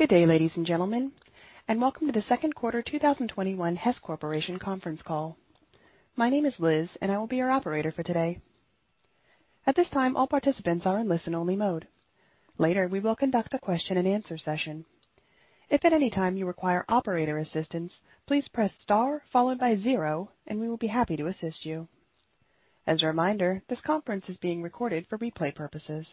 Good day, ladies and gentlemen, and welcome to the 2nd quarter 2021 Hess Corporation conference call. My name is Liz, and I will be your operator for today. At this time, all participants are in listen only mode. Later, we will conduct a question and answer session. As a reminder, this conference is being recorded for replay purposes.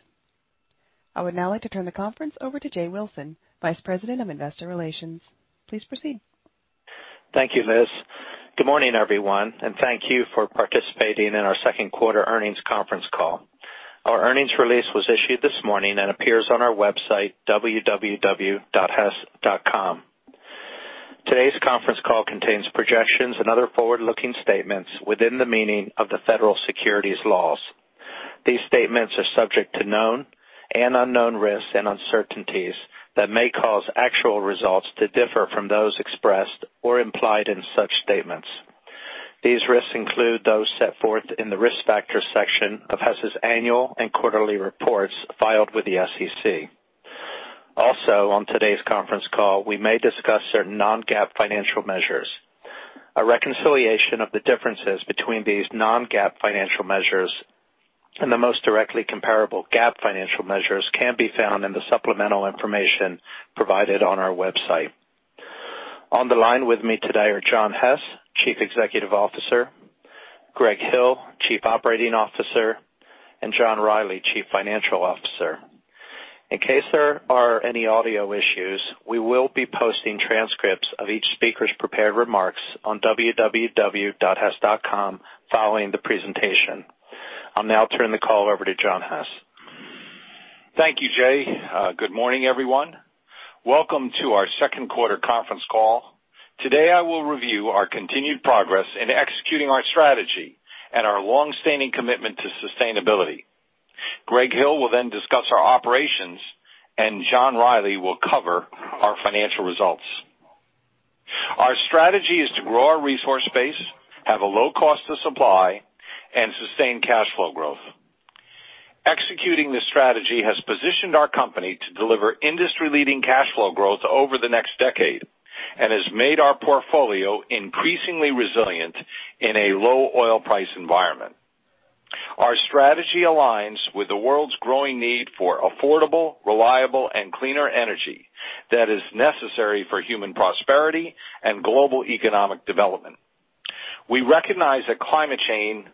I would now like to turn the conference over to Jay Wilson, Vice President of Investor Relations. Please proceed. Thank you, Liz. Good morning, everyone, and thank you for participating in our second quarter earnings conference call. Our earnings release was issued this morning and appears on our website, www.hess.com. Today's conference call contains projections and other forward-looking statements within the meaning of the federal securities laws. These statements are subject to known and unknown risks and uncertainties that may cause actual results to differ from those expressed or implied in such statements. These risks include those set forth in the Risk Factors section of Hess's annual and quarterly reports filed with the SEC. On today's conference call, we may discuss certain non-GAAP financial measures. A reconciliation of the differences between these non-GAAP financial measures and the most directly comparable GAAP financial measures can be found in the supplemental information provided on our website. On the line with me today are John Hess, Chief Executive Officer, Greg Hill, Chief Operating Officer, and John Rielly, Chief Financial Officer. In case there are any audio issues, we will be posting transcripts of each speaker's prepared remarks on www.hess.com following the presentation. I'll now turn the call over to John Hess. Thank you, Jay. Good morning, everyone. Welcome to our second quarter conference call. Today I will review our continued progress in executing our strategy and our longstanding commitment to sustainability. Greg Hill will then discuss our operations, and John Rielly will cover our financial results. Our strategy is to grow our resource base, have a low cost of supply, and sustain cash flow growth. Executing this strategy has positioned our company to deliver industry-leading cash flow growth over the next decade and has made our portfolio increasingly resilient in a low oil price environment. Our strategy aligns with the world's growing need for affordable, reliable, and cleaner energy that is necessary for human prosperity and global economic development. We recognize that climate change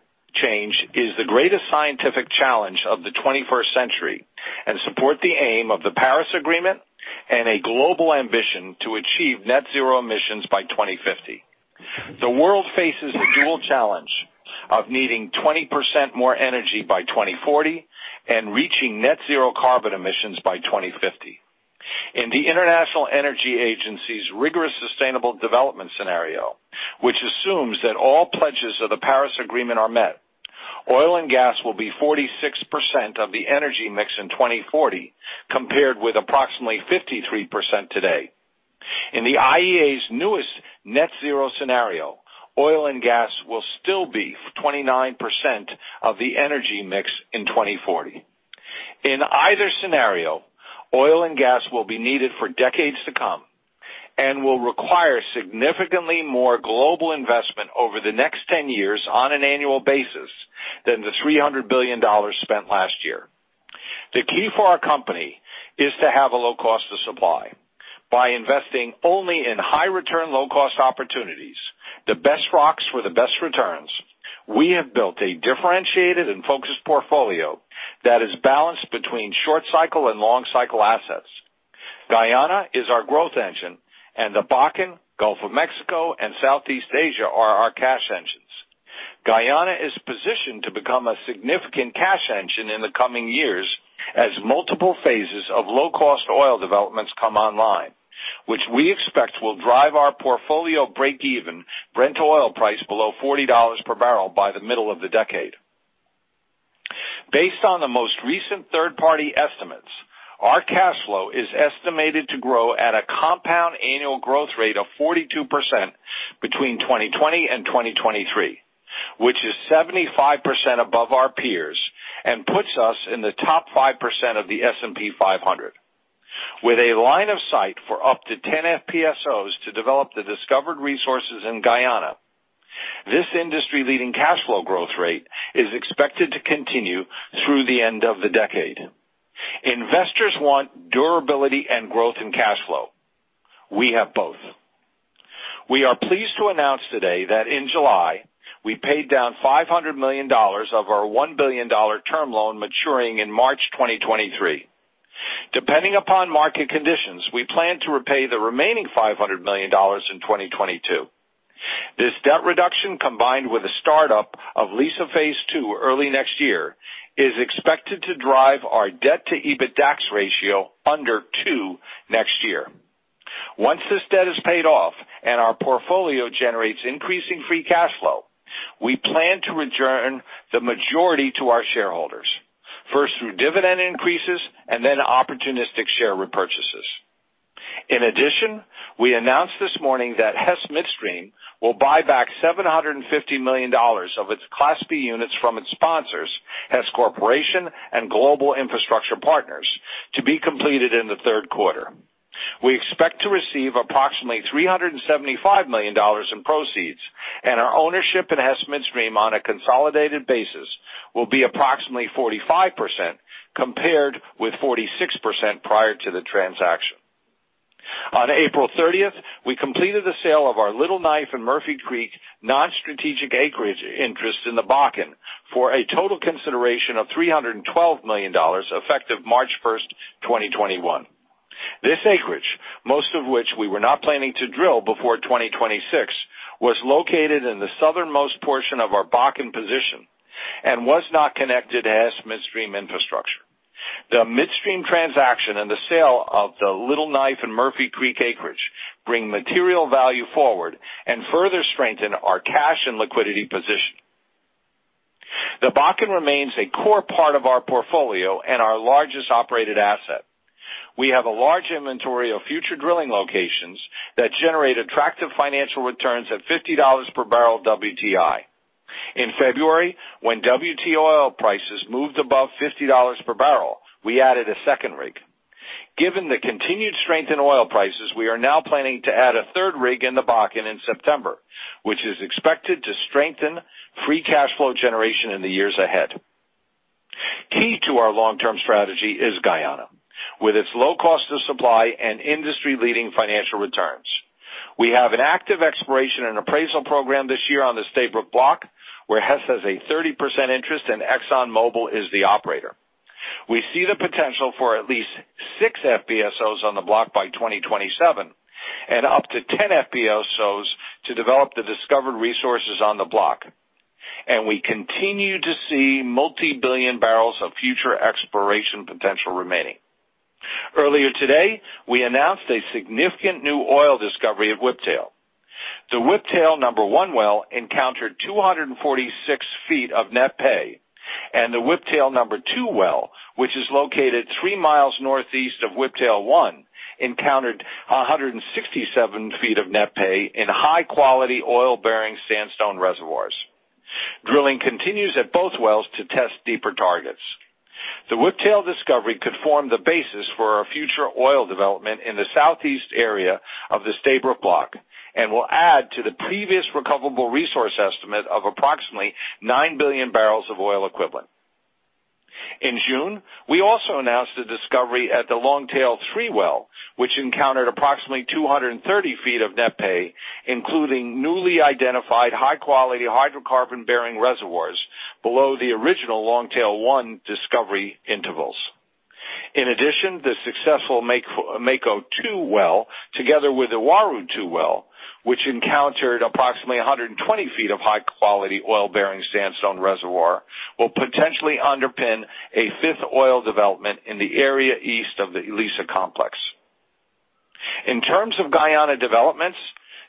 is the greatest scientific challenge of the 21st century and support the aim of the Paris Agreement and a global ambition to achieve net zero emissions by 2050. The world faces a dual challenge of needing 20% more energy by 2040 and reaching net zero carbon emissions by 2050. In the International Energy Agency's rigorous sustainable development scenario, which assumes that all pledges of the Paris Agreement are met, oil and gas will be 46% of the energy mix in 2040, compared with approximately 53% today. In the IEA's newest net zero scenario, oil and gas will still be 29% of the energy mix in 2040. In either scenario, oil and gas will be needed for decades to come and will require significantly more global investment over the next 10 years on an annual basis than the $300 billion spent last year. The key for our company is to have a low cost of supply. By investing only in high return, low cost opportunities, the best rocks for the best returns, we have built a differentiated and focused portfolio that is balanced between short cycle and long cycle assets. Guyana is our growth engine, and the Bakken, Gulf of Mexico, and Southeast Asia are our cash engines. Guyana is positioned to become a significant cash engine in the coming years as multiple phases of low cost oil developments come online, which we expect will drive our portfolio breakeven Brent oil price below $40 per barrel by the middle of the decade. Based on the most recent third-party estimates, our cash flow is estimated to grow at a compound annual growth rate of 42% between 2020 and 2023, which is 75% above our peers and puts us in the top 5% of the S&P 500. With a line of sight for up to 10 FPSOs to develop the discovered resources in Guyana, this industry-leading cash flow growth rate is expected to continue through the end of the decade. Investors want durability and growth in cash flow. We have both. We are pleased to announce today that in July, we paid down $500 million of our $1 billion term loan maturing in March 2023. Depending upon market conditions, we plan to repay the remaining $500 million in 2022. This debt reduction, combined with the startup of Liza Phase II early next year, is expected to drive our debt to EBITDAX ratio under two next year. Once this debt is paid off and our portfolio generates increasing free cash flow, we plan to return the majority to our shareholders, first through dividend increases and then opportunistic share repurchases. In addition, we announced this morning that Hess Midstream will buy back $750 million of its Class B units from its sponsors, Hess Corporation and Global Infrastructure Partners, to be completed in the third quarter. We expect to receive approximately $375 million in proceeds, and our ownership in Hess Midstream on a consolidated basis will be approximately 45%, compared with 46% prior to the transaction. On April 30th, we completed the sale of our Little Knife and Murphy Creek non-strategic acreage interests in the Bakken for a total consideration of $312 million effective March 1st, 2021. This acreage, most of which we were not planning to drill before 2026, was located in the southernmost portion of our Bakken position and was not connected to Hess Midstream infrastructure. The Midstream transaction and the sale of the Little Knife and Murphy Creek acreage bring material value forward and further strengthen our cash and liquidity position. The Bakken remains a core part of our portfolio and our largest operated asset. We have a large inventory of future drilling locations that generate attractive financial returns at $50 per barrel WTI. In February, when WTI oil prices moved above $50 per barrel, we added a second rig. Given the continued strength in oil prices, we are now planning to add a third rig in the Bakken in September, which is expected to strengthen free cash flow generation in the years ahead. Key to our long-term strategy is Guyana, with its low cost of supply and industry-leading financial returns. We have an active exploration and appraisal program this year on the Stabroek Block, where Hess has a 30% interest, and ExxonMobil is the operator. We see the potential for at least six FPSOs on the block by 2027 and up to 10 FPSOs to develop the discovered resources on the block. We continue to see multi-billion barrels of future exploration potential remaining. Earlier today, we announced a significant new oil discovery at Whiptail. The Whiptail-1 well encountered 246 ft of net pay, and the Whiptail-2 well, which is located three miles northeast of Whiptail-1, encountered 167 ft of net pay in high-quality oil-bearing sandstone reservoirs. Drilling continues at both wells to test deeper targets. The Whiptail discovery could form the basis for our future oil development in the southeast area of the Stabroek Block and will add to the previous recoverable resource estimate of approximately nine billion barrels of oil equivalent. In June, we also announced a discovery at the Longtail-3 well, which encountered approximately 230 ft of net pay, including newly identified high-quality hydrocarbon-bearing reservoirs below the original Longtail-1 discovery intervals. In addition, the successful Mako-2 well, together with the Saru-2 well, which encountered approximately 120 ft of high-quality oil-bearing sandstone reservoir, will potentially underpin a fifth oil development in the area east of the Liza complex. In terms of Guyana developments,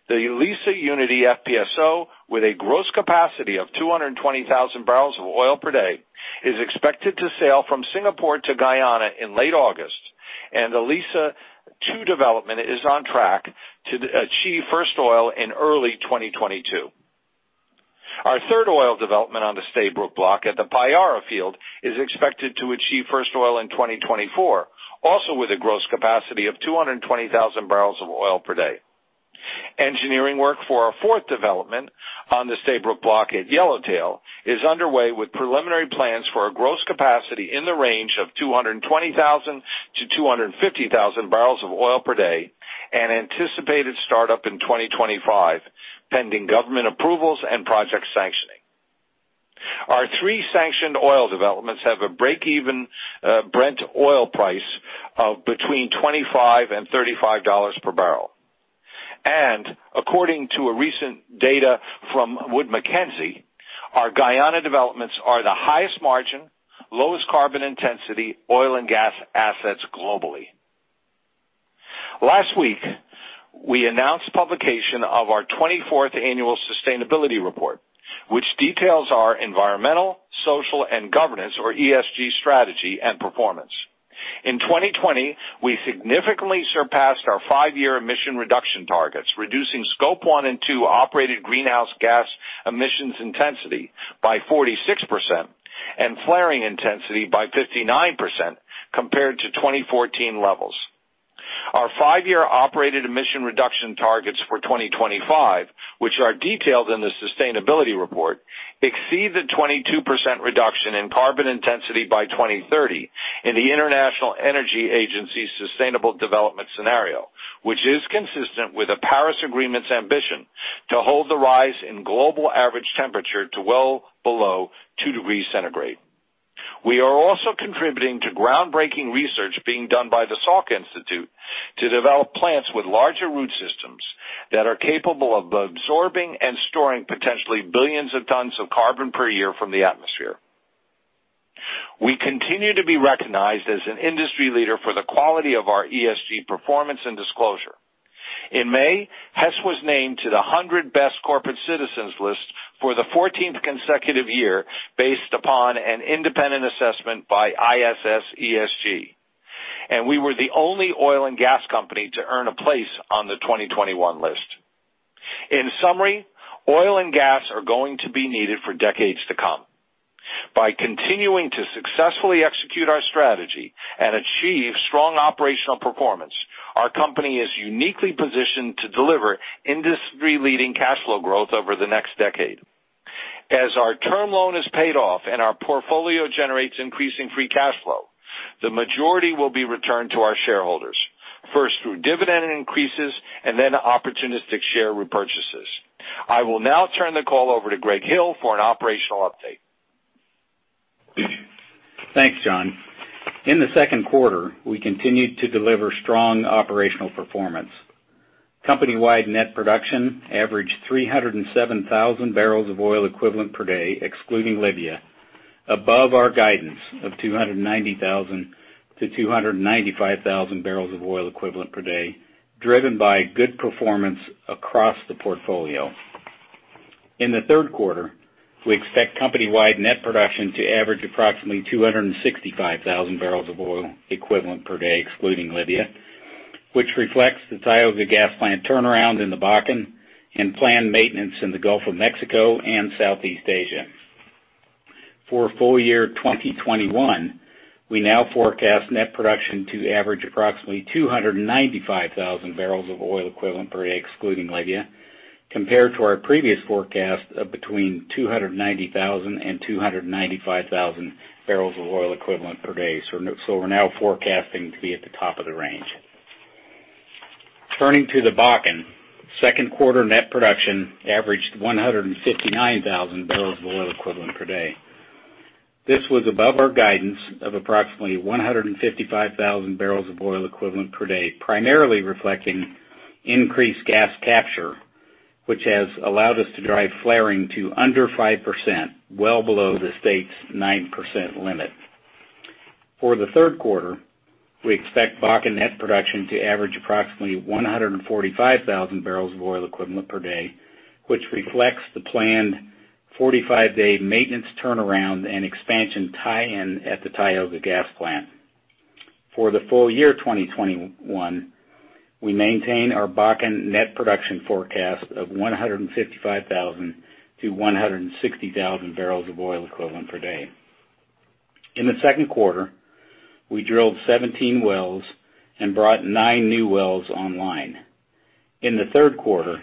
the Liza Unity FPSO, with a gross capacity of 220,000 barrels of oil per day, is expected to sail from Singapore to Guyana in late August, and the Liza-2 development is on track to achieve first oil in early 2022. Our third oil development on the Stabroek Block at the Payara field is expected to achieve first oil in 2024, also with a gross capacity of 220,000 barrels of oil per day. Engineering work for our fourth development on the Stabroek Block at Yellowtail is underway with preliminary plans for a gross capacity in the range of 220,000 barrels of oil per day-250,000 barrels of oil per day, and anticipated startup in 2025, pending government approvals and project sanctioning. Our three sanctioned oil developments have a break-even Brent oil price of between $25 and $35 per barrel. According to recent data from Wood Mackenzie, our Guyana developments are the highest margin, lowest carbon intensity oil and gas assets globally. Last week, we announced publication of our 24th annual sustainability report, which details our environmental, social, and governance, or ESG, strategy and performance. In 2020, we significantly surpassed our five-year emission reduction targets, reducing Scope 1 and 2 operated greenhouse gas emissions intensity by 46% and flaring intensity by 59% compared to 2014 levels. Our five-year operated emission reduction targets for 2025, which are detailed in the sustainability report, exceed the 22% reduction in carbon intensity by 2030 in the International Energy Agency's sustainable development scenario, which is consistent with the Paris Agreement's ambition to hold the rise in global average temperature to well below two degrees centigrade. We are also contributing to groundbreaking research being done by the Salk Institute to develop plants with larger root systems that are capable of absorbing and storing potentially billions of tons of carbon per year from the atmosphere. We continue to be recognized as an industry leader for the quality of our ESG performance and disclosure. In May, Hess was named to the 100 Best Corporate Citizens list for the 14th consecutive year based upon an independent assessment by ISS ESG. We were the only oil and gas company to earn a place on the 2021 list. In summary, oil and gas are going to be needed for decades to come. By continuing to successfully execute our strategy and achieve strong operational performance, our company is uniquely positioned to deliver industry-leading cash flow growth over the next decade. As our term loan is paid off and our portfolio generates increasing free cash flow, the majority will be returned to our shareholders. First through dividend increases, and then opportunistic share repurchases. I will now turn the call over to Greg Hill for an operational update. Thanks, John. In the second quarter, we continued to deliver strong operational performance. Company-wide net production averaged 307,000 barrels of oil equivalent per day, excluding Libya, above our guidance of 290,000-295,000 barrels of oil equivalent per day, driven by good performance across the portfolio. In the third quarter, we expect company-wide net production to average approximately 265,000 barrels of oil equivalent per day, excluding Libya, which reflects the Tioga Gas plant turnaround in the Bakken and planned maintenance in the Gulf of Mexico and Southeast Asia. For full year 2021, we now forecast net production to average approximately 295,000 barrels of oil equivalent per day excluding Libya, compared to our previous forecast of between 290,000 and 295,000 barrels of oil equivalent per day. We're now forecasting to be at the top of the range. Turning to the Bakken. Second quarter net production averaged 159,000 barrels of oil equivalent per day. This was above our guidance of approximately 155,000 barrels of oil equivalent per day, primarily reflecting increased gas capture, which has allowed us to drive flaring to under 5%, well below the state's 9% limit. For the third quarter, we expect Bakken net production to average approximately 145,000 barrels of oil equivalent per day, which reflects the planned 45-day maintenance turnaround and expansion tie-in at the Tioga gas plant. For the full year 2021, we maintain our Bakken net production forecast of 155,000-160,000 barrels of oil equivalent per day. In the second quarter, we drilled 17 wells and brought nine new wells online. In the third quarter,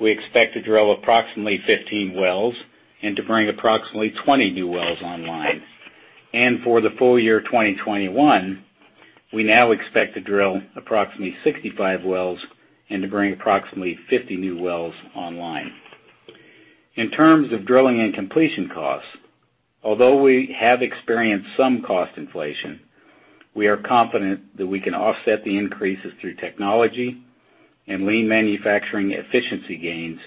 we expect to drill approximately 15 wells and to bring approximately 20 new wells online. For the full year 2021, we now expect to drill approximately 65 wells and to bring approximately 50 new wells online. In terms of drilling and completion costs, although we have experienced some cost inflation, we are confident that we can offset the increases through technology and lean manufacturing efficiency gains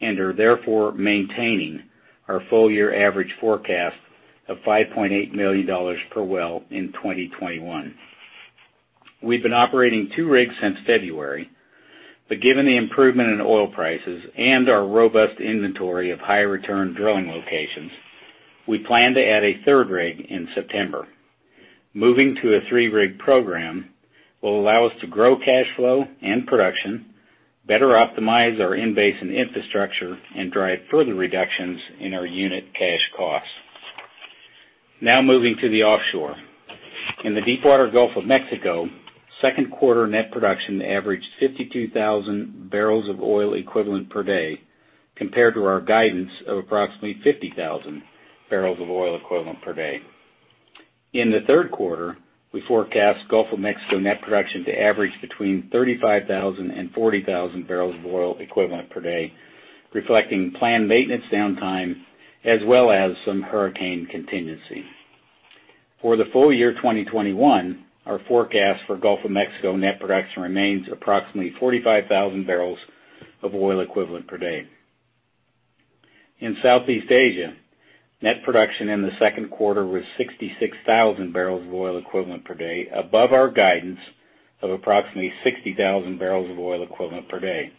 and are therefore maintaining our full-year average forecast of $5.8 million per well in 2021. We've been operating two rigs since February, given the improvement in oil prices and our robust inventory of high-return drilling locations, we plan to add a third rig in September. Moving to a three-rig program will allow us to grow cash flow and production, better optimize our in-basin infrastructure, and drive further reductions in our unit cash costs. Moving to the offshore. In the Deepwater Gulf of Mexico, second quarter net production averaged 52,000 barrels of oil equivalent per day compared to our guidance of approximately 50,000 barrels of oil equivalent per day. In the third quarter, we forecast Gulf of Mexico net production to average between 35,000 and 40,000 barrels of oil equivalent per day, reflecting planned maintenance downtime, as well as some hurricane contingency. For the full year 2021, our forecast for Gulf of Mexico net production remains approximately 45,000 barrels of oil equivalent per day. In Southeast Asia, net production in the second quarter was 66,000 barrels of oil equivalent per day above our guidance of approximately 60,000 barrels of oil equivalent per day.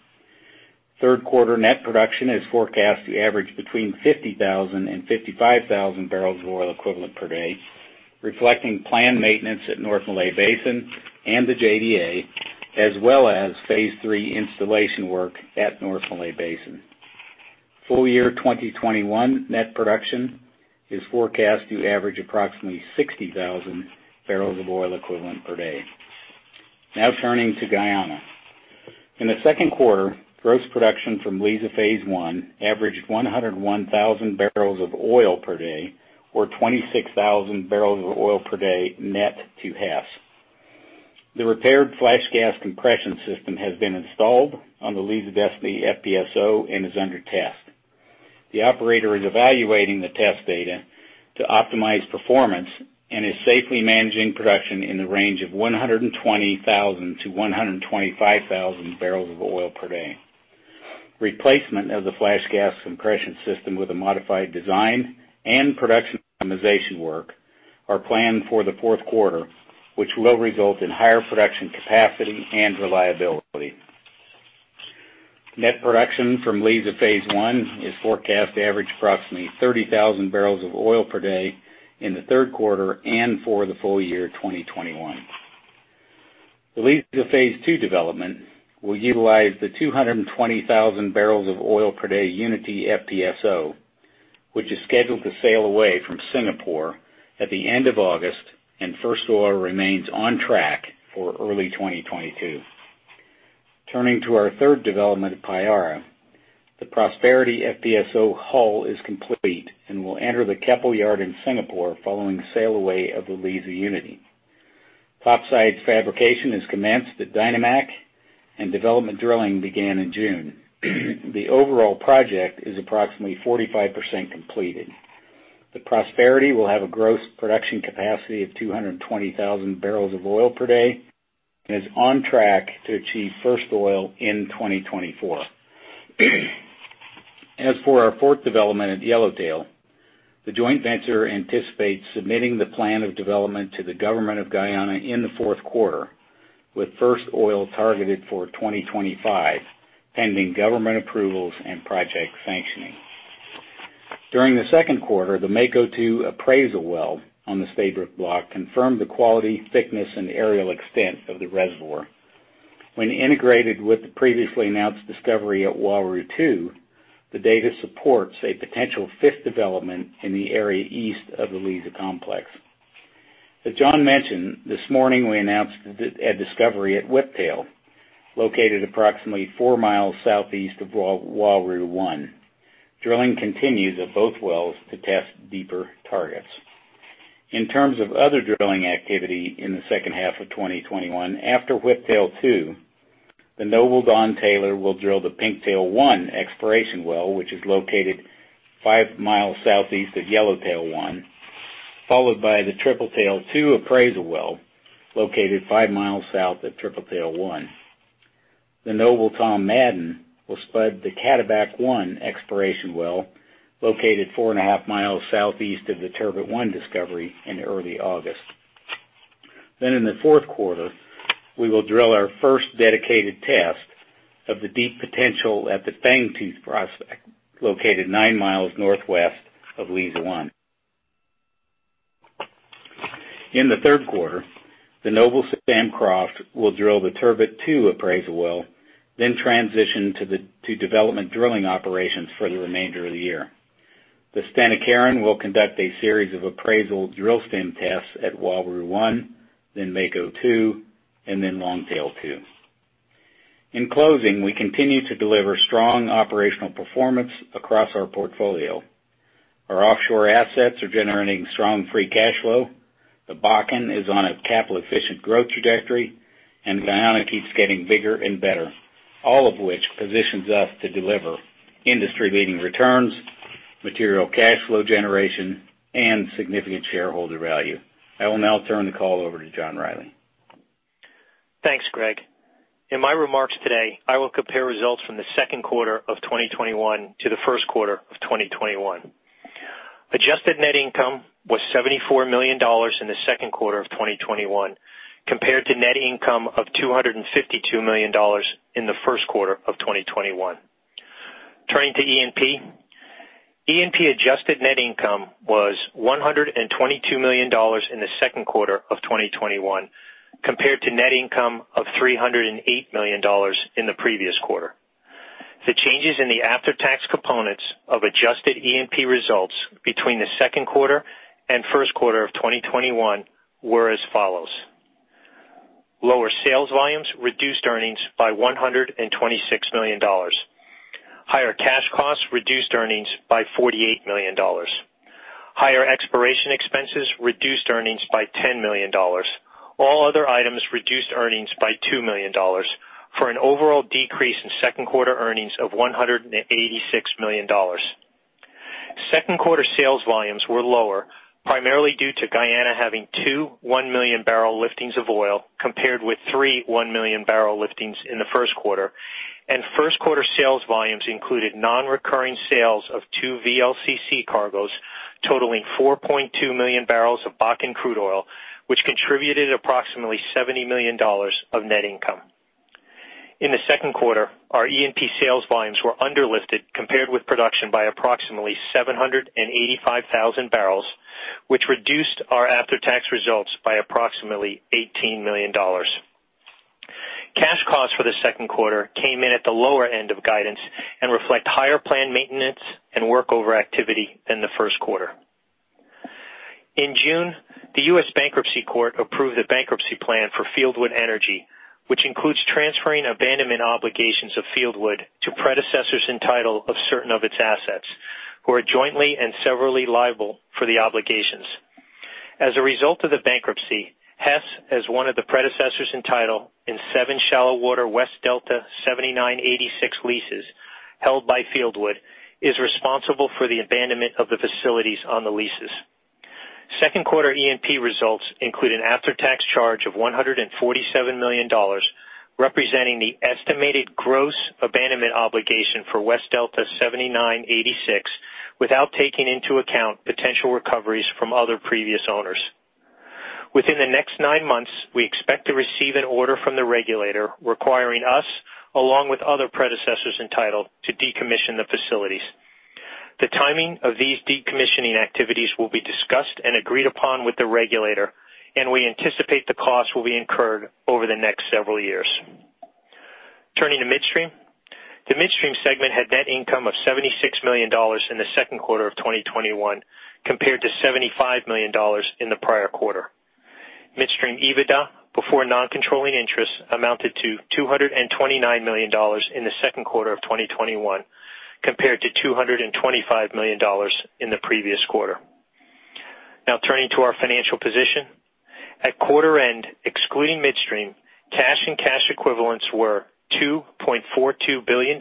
Third quarter net production is forecast to average between 50,000 and 55,000 barrels of oil equivalent per day, reflecting planned maintenance at North Malay Basin and the JDA, as well as Phase 3 installation work at North Malay Basin. Full year 2021 net production is forecast to average approximately 60,000 barrels of oil equivalent per day. Turning to Guyana. In the second quarter, gross production from Liza Phase 1 averaged 101,000 barrels of oil per day, or 26,000 barrels of oil per day net to Hess. The repaired flash gas compression system has been installed on the Liza Destiny FPSO and is under test. The operator is evaluating the test data to optimize performance and is safely managing production in the range of 120,000 to 125,000 barrels of oil per day. Replacement of the flash gas compression system with a modified design and production optimization work are planned for the fourth quarter, which will result in higher production capacity and reliability. Net production from Liza Phase l is forecast to average approximately 30,000 barrels of oil per day in the third quarter and for the full year 2021. The Liza Phase 2 development will utilize the 220,000 barrels of oil per day Liza Unity FPSO, which is scheduled to sail away from Singapore at the end of August, and first oil remains on track for early 2022. Turning to our third development at Payara, the Prosperity FPSO hull is complete and will enter the Keppel yard in Singapore following sail away of the Liza Unity. Topsides fabrication has commenced at Dyna-Mac, and development drilling began in June. The overall project is approximately 45% completed. The Prosperity will have a gross production capacity of 220,000 barrels of oil per day and is on track to achieve first oil in 2024. As for our fourth development at Yellowtail, the joint venture anticipates submitting the plan of development to the government of Guyana in the fourth quarter, with first oil targeted for 2025, pending government approvals and project sanctioning. During the second quarter, the Mako-2 appraisal well on the Stabroek Block confirmed the quality, thickness, and areall extent of the reservoir. When integrated with the previously announced discovery at Uaru-2, the data supports a potential fifth development in the area east of the Liza complex. As John mentioned, this morning we announced a discovery at Whiptail, located approximately four miles southeast of Uaru-1. Drilling continues at both wells to test deeper targets. In terms of other drilling activity in the second half of 2021, after Whiptail-2, the Noble Don Taylor will drill the Pinktail-1 exploration well, which is located 5 miles southeast of Yellowtail-1, followed by the Tripletail-2 appraisal well, located 5 miles south of Tripletail-1. The Noble Tom Madden will spud the Cataback-1 exploration well, located 4.5 miles southeast of the Turbot-1 discovery in early August. In the fourth quarter, we will drill our first dedicated test of the deep potential at the Fangtooth prospect, located nine miles northwest of Liza-1. In the third quarter, the Noble Sam Croft will drill the Turbot-2 appraisal well, then transition to development drilling operations for the remainder of the year. The Stena Carron will conduct a series of appraisal drill stem tests at Uaru-1, then Mako-2, and then Longtail-2. In closing, we continue to deliver strong operational performance across our portfolio. Our offshore assets are generating strong free cash flow. The Bakken is on a capital-efficient growth trajectory, and Guyana keeps getting bigger and better, all of which positions us to deliver industry-leading returns, material cash flow generation, and significant shareholder value. I will now turn the call over to John Rielly. Thanks, Greg. In my remarks today, I will compare results from the second quarter of 2021 to the first quarter of 2021. Adjusted net income was $74 million in the second quarter of 2021 compared to net income of $252 million in the first quarter of 2021. Turning to E&P. E&P adjusted net income was $122 million in the second quarter of 2021 compared to net income of $308 million in the previous quarter. The changes in the after-tax components of adjusted E&P results between the second quarter and first quarter of 2021 were as follows. Lower sales volumes reduced earnings by $126 million. Higher cash costs reduced earnings by $48 million. Higher exploration expenses reduced earnings by $10 million. All other items reduced earnings by $2 million for an overall decrease in second quarter earnings of $186 million. Second quarter sales volumes were lower, primarily due to Guyana having two one-million barrel liftings of oil compared with three one-million barrel liftings in the first quarter. First quarter sales volumes included non-recurring sales of two VLCC cargoes totaling 4.2 million barrels of Bakken crude oil, which contributed approximately $70 million of net income. In the second quarter, our E&P sales volumes were under-lifted compared with production by approximately 785,000 barrels, which reduced our after-tax results by approximately $18 million. Cash costs for the second quarter came in at the lower end of guidance and reflect higher planned maintenance and workover activity than the first quarter. In June, the U.S. Bankruptcy Court approved a bankruptcy plan for Fieldwood Energy, which includes transferring abandonment obligations of Fieldwood to predecessors in title of certain of its assets, who are jointly and severally liable for the obligations. As a result of the bankruptcy, Hess, as one of the predecessors in title in seven shallow water West Delta 79/86 leases held by Fieldwood, is responsible for the abandonment of the facilities on the leases. Second quarter E&P results include an after-tax charge of $147 million, representing the estimated gross abandonment obligation for West Delta 7986, without taking into account potential recoveries from other previous owners. Within the next nine months, we expect to receive an order from the regulator requiring us, along with other predecessors entitled, to decommission the facilities. The timing of these decommissioning activities will be discussed and agreed upon with the regulator, and we anticipate the costs will be incurred over the next several years. Turning to midstream. The midstream segment had net income of $76 million in the second quarter of 2021 compared to $75 million in the prior quarter. Midstream EBITDA, before non-controlling interests, amounted to $229 million in the second quarter of 2021 compared to $225 million in the previous quarter. Turning to our financial position. At quarter end, excluding Midstream, cash and cash equivalents were $2.42 billion,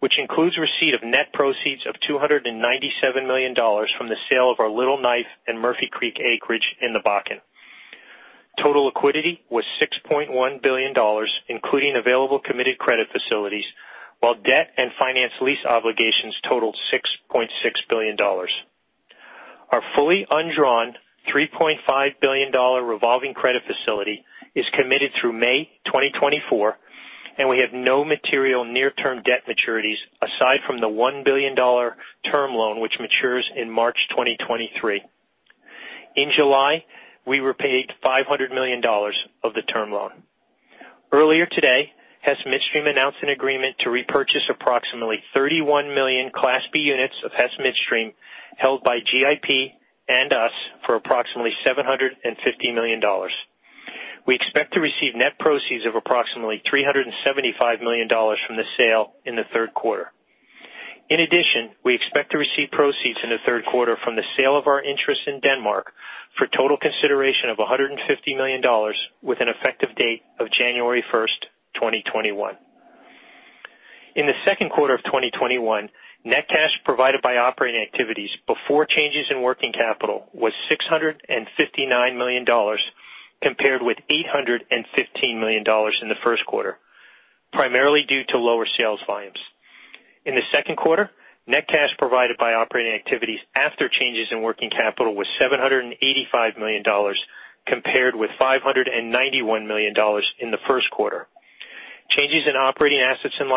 which includes receipt of net proceeds of $297 million from the sale of our Little Knife and Murphy Creek acreage in the Bakken. Total liquidity was $6.1 billion, including available committed credit facilities, while debt and finance lease obligations totaled $6.6 billion. Our fully undrawn $3.5 billion revolving credit facility is committed through May 2024, and we have no material near-term debt maturities aside from the $1 billion term loan, which matures in March 2023. In July, we repaid $500 million of the term loan. Earlier today, Hess Midstream announced an agreement to repurchase approximately 31 million Class B units of Hess Midstream held by GIP and us for approximately $750 million. We expect to receive net proceeds of approximately $375 million from the sale in the third quarter. In addition, we expect to receive proceeds in the third quarter from the sale of our interest in Denmark for total consideration of $150 million with an effective date of January 1st, 2021. In the second quarter of 2021, net cash provided by operating activities before changes in working capital was $659 million, compared with $815 million in the first quarter, primarily due to lower sales volumes. In the second quarter, net cash provided by operating activities after changes in working capital was $785 million, compared with $591 million in the first quarter. Changes in operating assets and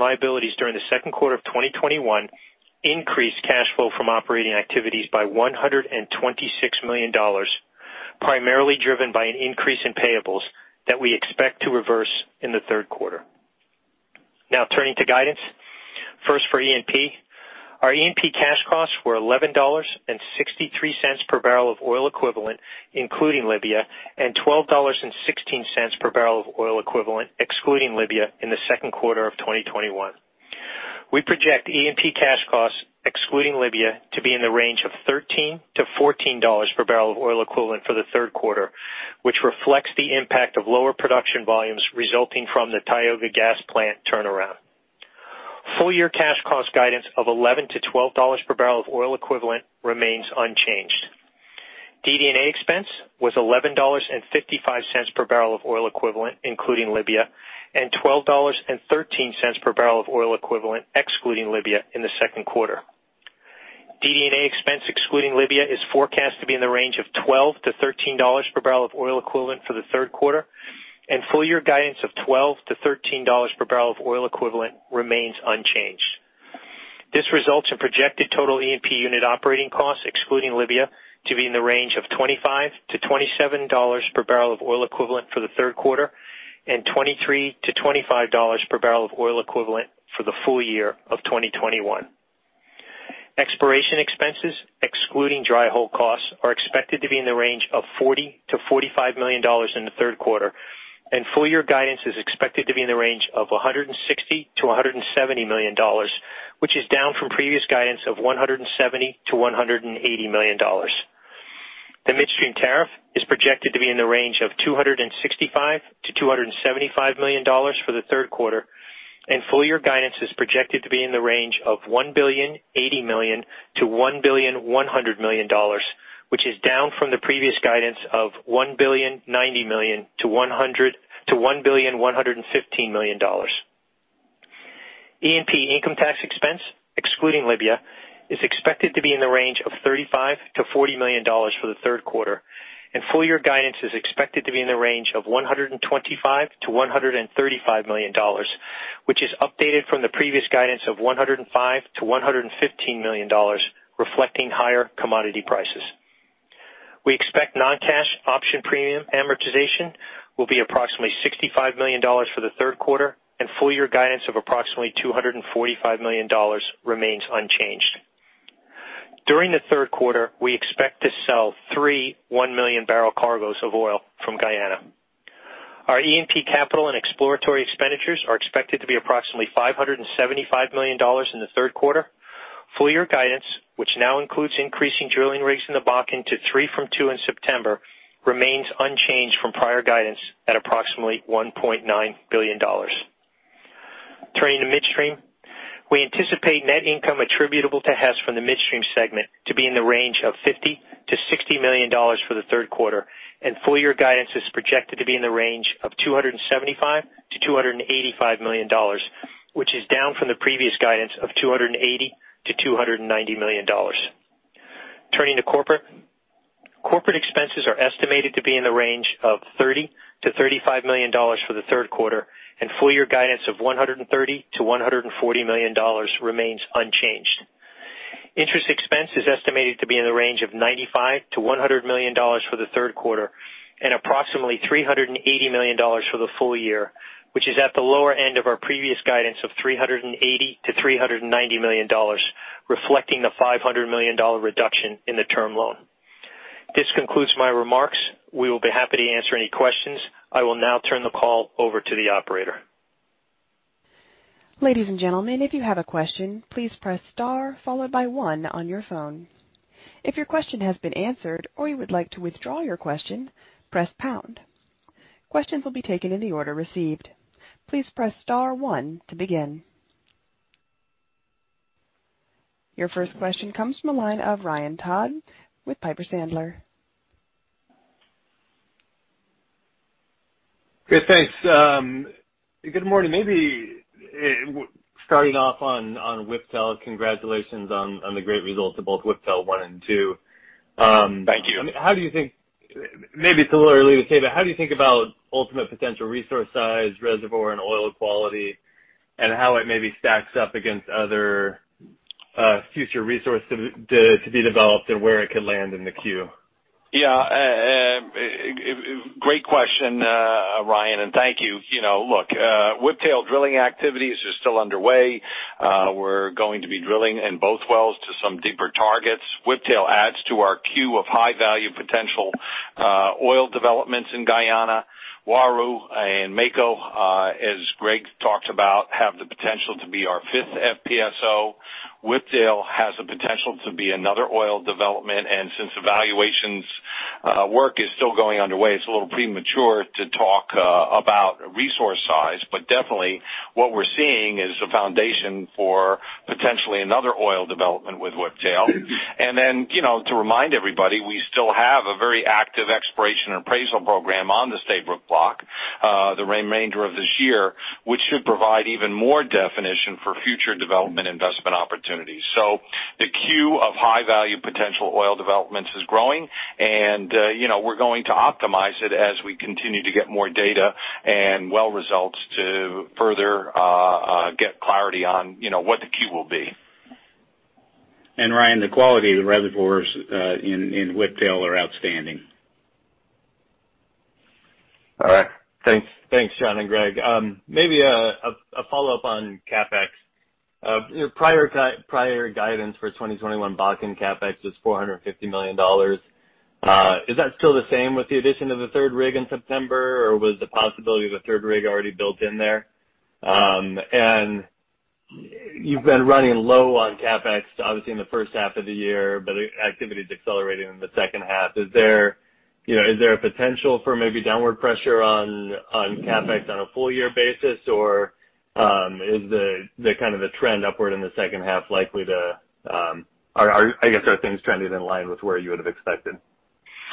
liabilities during the second quarter of 2021 increased cash flow from operating activities by $126 million, primarily driven by an increase in payables that we expect to reverse in the third quarter. Turning to guidance. First, for E&P. Our E&P cash costs were $11.63 per barrel of oil equivalent, including Libya, and $12.16 per barrel of oil equivalent, excluding Libya, in the second quarter of 2021. We project E&P cash costs, excluding Libya, to be in the range of $13-$14 per barrel of oil equivalent for the third quarter, which reflects the impact of lower production volumes resulting from the Tioga Gas Plant turnaround. Full-year cash cost guidance of $11-$12 per barrel of oil equivalent remains unchanged. DD&A expense was $11.55 per barrel of oil equivalent, including Libya, and $12.13 per barrel of oil equivalent, excluding Libya, in the second quarter. DD&A expense excluding Libya is forecast to be in the range of $12-$13 per barrel of oil equivalent for the third quarter, and full-year guidance of $12-$13 per barrel of oil equivalent remains unchanged. This results in projected total E&P unit operating costs, excluding Libya, to be in the range of $25-$27 per barrel of oil equivalent for the third quarter and $23-$25 per barrel of oil equivalent for the full year of 2021. Exploration expenses, excluding dry hole costs, are expected to be in the range of $40 million-$45 million in the third quarter, and full-year guidance is expected to be in the range of $160 million-$170 million, which is down from previous guidance of $170 million-$180 million. The midstream tariff is projected to be in the range of $265 million-$275 million for the third quarter, and full-year guidance is projected to be in the range of $1 billion and $80 million-$1 billion and $100 million, which is down from the previous guidance of $1 billion and $90 million-$1 billion and $115 million. E&P income tax expense, excluding Libya, is expected to be in the range of $35 million-$40 million for the third quarter, and full-year guidance is expected to be in the range of $125 million-$135 million, which is updated from the previous guidance of $105 million-$115 million, reflecting higher commodity prices. We expect non-cash option premium amortization will be approximately $65 million for the third quarter, and full-year guidance of approximately $245 million remains unchanged. During the third quarter, we expect to sell three 1-million-barrel cargoes of oil from Guyana. Our E&P capital and exploratory expenditures are expected to be approximately $575 million in the third quarter. Full-year guidance, which now includes increasing drilling rigs in the Bakken to three from two in September, remains unchanged from prior guidance at approximately $1.9 billion. Turning to midstream, we anticipate net income attributable to Hess from the midstream segment to be in the range of $50 million-$60 million for the third quarter, and full year guidance is projected to be in the range of $275 million-$285 million, which is down from the previous guidance of $280 million-$290 million. Turning to corporate. Corporate expenses are estimated to be in the range of $30 million-$35 million for the third quarter, and full year guidance of $130 million-$140 million remains unchanged. Interest expense is estimated to be in the range of $95 million-$100 million for the third quarter, and approximately $380 million for the full year, which is at the lower end of our previous guidance of $380 million-$390 million, reflecting the $500 million reduction in the term loan. This concludes my remarks. We will be happy to answer any questions. I will now turn the call over to the operator. Ladies and gentlemen, if you have a question, please press star followed by one on your phone. If your question has been answered or you would like to withdraw your question, press pound. Questions will be taken in the order received. Please press star one to begin. Your first question comes from the line of Ryan Todd with Piper Sandler. Great. Thanks. Good morning. Maybe starting off on Whiptail, congratulations on the great results of both Whiptail-1 and Whiptail-2. Thank you. Maybe it's a little early to say, but how do you think about ultimate potential resource size, reservoir, and oil quality, and how it maybe stacks up against other future resources to be developed and where it could land in the queue? Great question, Ryan, and thank you. Whiptail drilling activities are still underway. We're going to be drilling in both wells to some deeper targets. Whiptail adds to our queue of high-value potential oil developments in Guyana. Uaru and Mako, as Greg talked about, have the potential to be our fifth FPSO. Whiptail has the potential to be another oil development, since evaluations work is still going underway, it's a little premature to talk about resource size. Definitely what we're seeing is the foundation for potentially another oil development with Whiptail. To remind everybody, we still have a very active exploration and appraisal program on the Stabroek Block the remainder of this year, which should provide even more definition for future development investment opportunities. The queue of high-value potential oil developments is growing, and we're going to optimize it as we continue to get more data and well results to further get clarity on what the queue will be. Ryan, the quality of the reservoirs in Whiptail are outstanding. All right. Thanks, John and Greg. Maybe a follow-up on CapEx. Prior guidance for 2021 Bakken CapEx was $450 million. Is that still the same with the addition of the third rig in September, or was the possibility of the third rig already built in there? You've been running low on CapEx, obviously in the first half of the year, but activity is accelerating in the second half. Is there a potential for maybe downward pressure on CapEx on a full year basis, or I guess, are things trending in line with where you would've expected?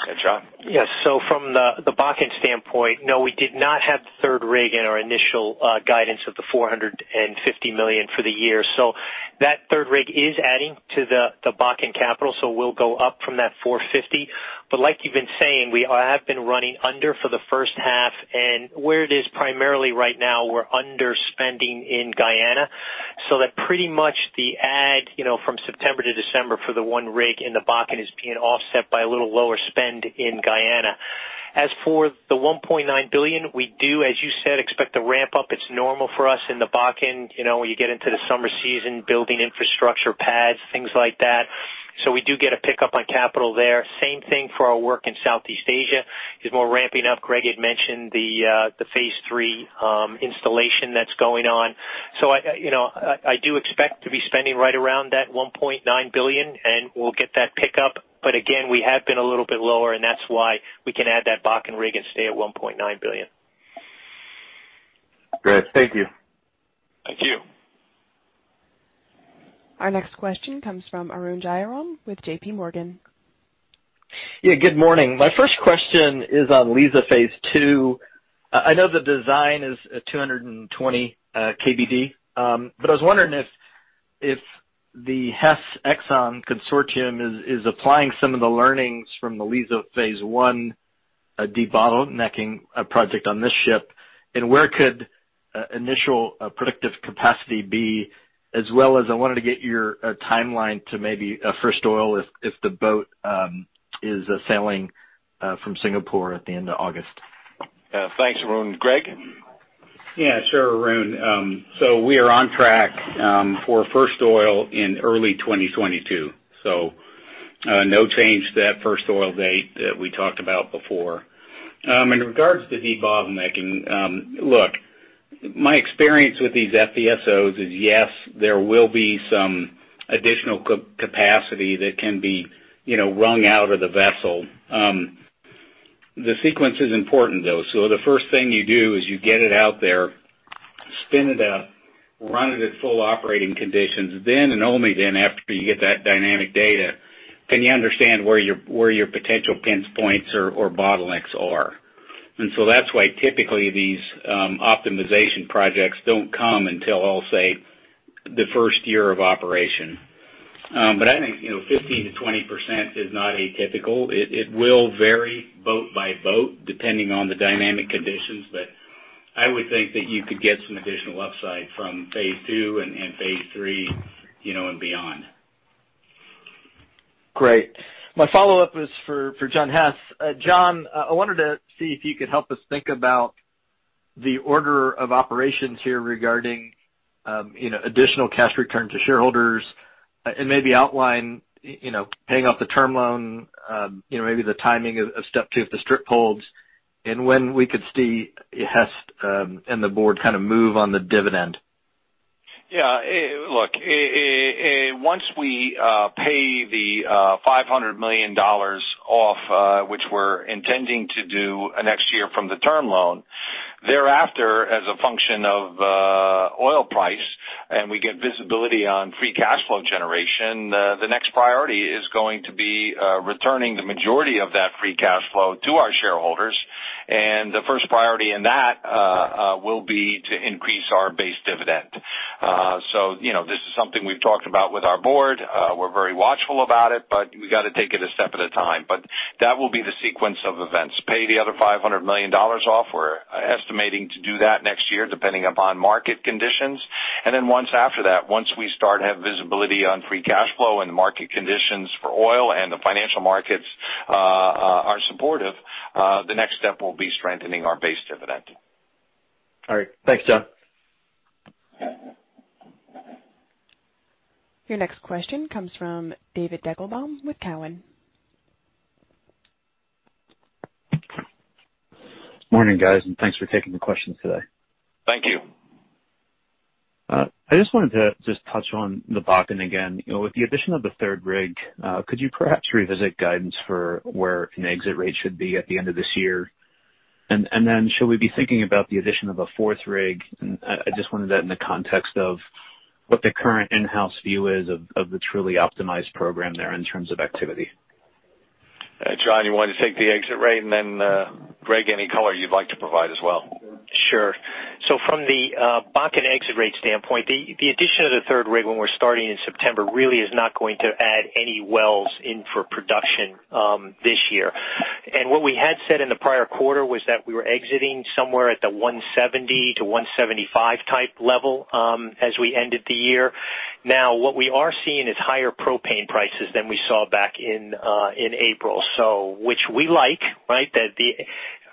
Yeah, John? Yes. From the Bakken standpoint, no, we did not have the third rig in our initial guidance of the $450 million for the year. That third rig is adding to the Bakken capital. We'll go up from that $450 million. Like you've been saying, we have been running under for the first half, and where it is primarily right now, we're underspending in Guyana. That pretty much the add from September to December for the one rig in the Bakken is being offset by a little lower spend in Guyana. As for the $1.9 billion, we do, as you said, expect to ramp up. It's normal for us in the Bakken, when you get into the summer season, building infrastructure pads, things like that. We do get a pickup on capital there. Same thing for our work in Southeast Asia, is more ramping up. Greg had mentioned the Phase lll installation that's going on. I do expect to be spending right around that $1.9 billion, and we'll get that pickup. Again, we have been a little bit lower, and that's why we can add that Bakken rig and stay at $1.9 billion. Great. Thank you. Thank you. Our next question comes from Arun Jayaram with J.P. Morgan. Yeah, good morning. My first question is on Liza Phase 2. I know the design is at 220 KBD. But I was wondering if the Hess Exxon consortium is applying some of the learnings from the Liza Phase 1 debottlenecking project on this ship, and where could initial productive capacity be? As well as I wanted to get your timeline to maybe a first oil, if the boat is sailing from Singapore at the end of August. Thanks, Arun. Greg? Yeah, sure, Arun. We are on track for first oil in early 2022. No change to that first oil date that we talked about before. In regards to debottlenecking, look, my experience with these FPSOs is, yes, there will be some additional capacity that can be wrung out of the vessel. The sequence is important, though. The first thing you do is you get it out there, spin it up, run it at full operating conditions. Only then, after you get that dynamic data, can you understand where your potential pinch points or bottlenecks are. That's why typically these optimization projects don't come until, I'll say, the first year of operation. I think 15%-20% is not atypical. It will vary boat by boat depending on the dynamic conditions. I would think that you could get some additional upside from Phase 2 and Phase 3 and beyond. Great. My follow-up is for John Hess. John, I wanted to see if you could help us think about the order of operations here regarding additional cash return to shareholders and maybe outline paying off the term loan, maybe the timing of step two if the strip holds, and when we could see Hess and the board kind of move on the dividend. Yeah. Look, once we pay the $500 million off, which we're intending to do next year from the term loan, thereafter, as a function of oil price, and we get visibility on free cash flow generation, the next priority is going to be returning the majority of that free cash flow to our shareholders. The first priority in that will be to increase our base dividend. This is something we've talked about with our board. We're very watchful about it, but we got to take it a step at a time. That will be the sequence of events. Pay the other $500 million off. We're estimating to do that next year, depending upon market conditions. Once after that, once we start to have visibility on free cash flow and market conditions for oil and the financial markets are supportive, the next step will be strengthening our base dividend. All right. Thanks, John. Your next question comes from David Deckelbaum with Cowen. Morning, guys, and thanks for taking the questions today. Thank you. I just wanted to touch on the Bakken again. With the addition of the third rig, could you perhaps revisit guidance for where an exit rate should be at the end of this year? Should we be thinking about the addition of a fourth rig? I just wanted that in the context of what the current in-house view is of the truly optimized program there in terms of activity. John, you want to take the exit rate, and then, Greg, any color you'd like to provide as well? Sure. From the Bakken exit rate standpoint, the addition of the third rig when we're starting in September really is not going to add any wells in for production this year. What we had said in the prior quarter was that we were exiting somewhere at the 170-175 type level as we ended the year. What we are seeing is higher propane prices than we saw back in April. Which we like, right?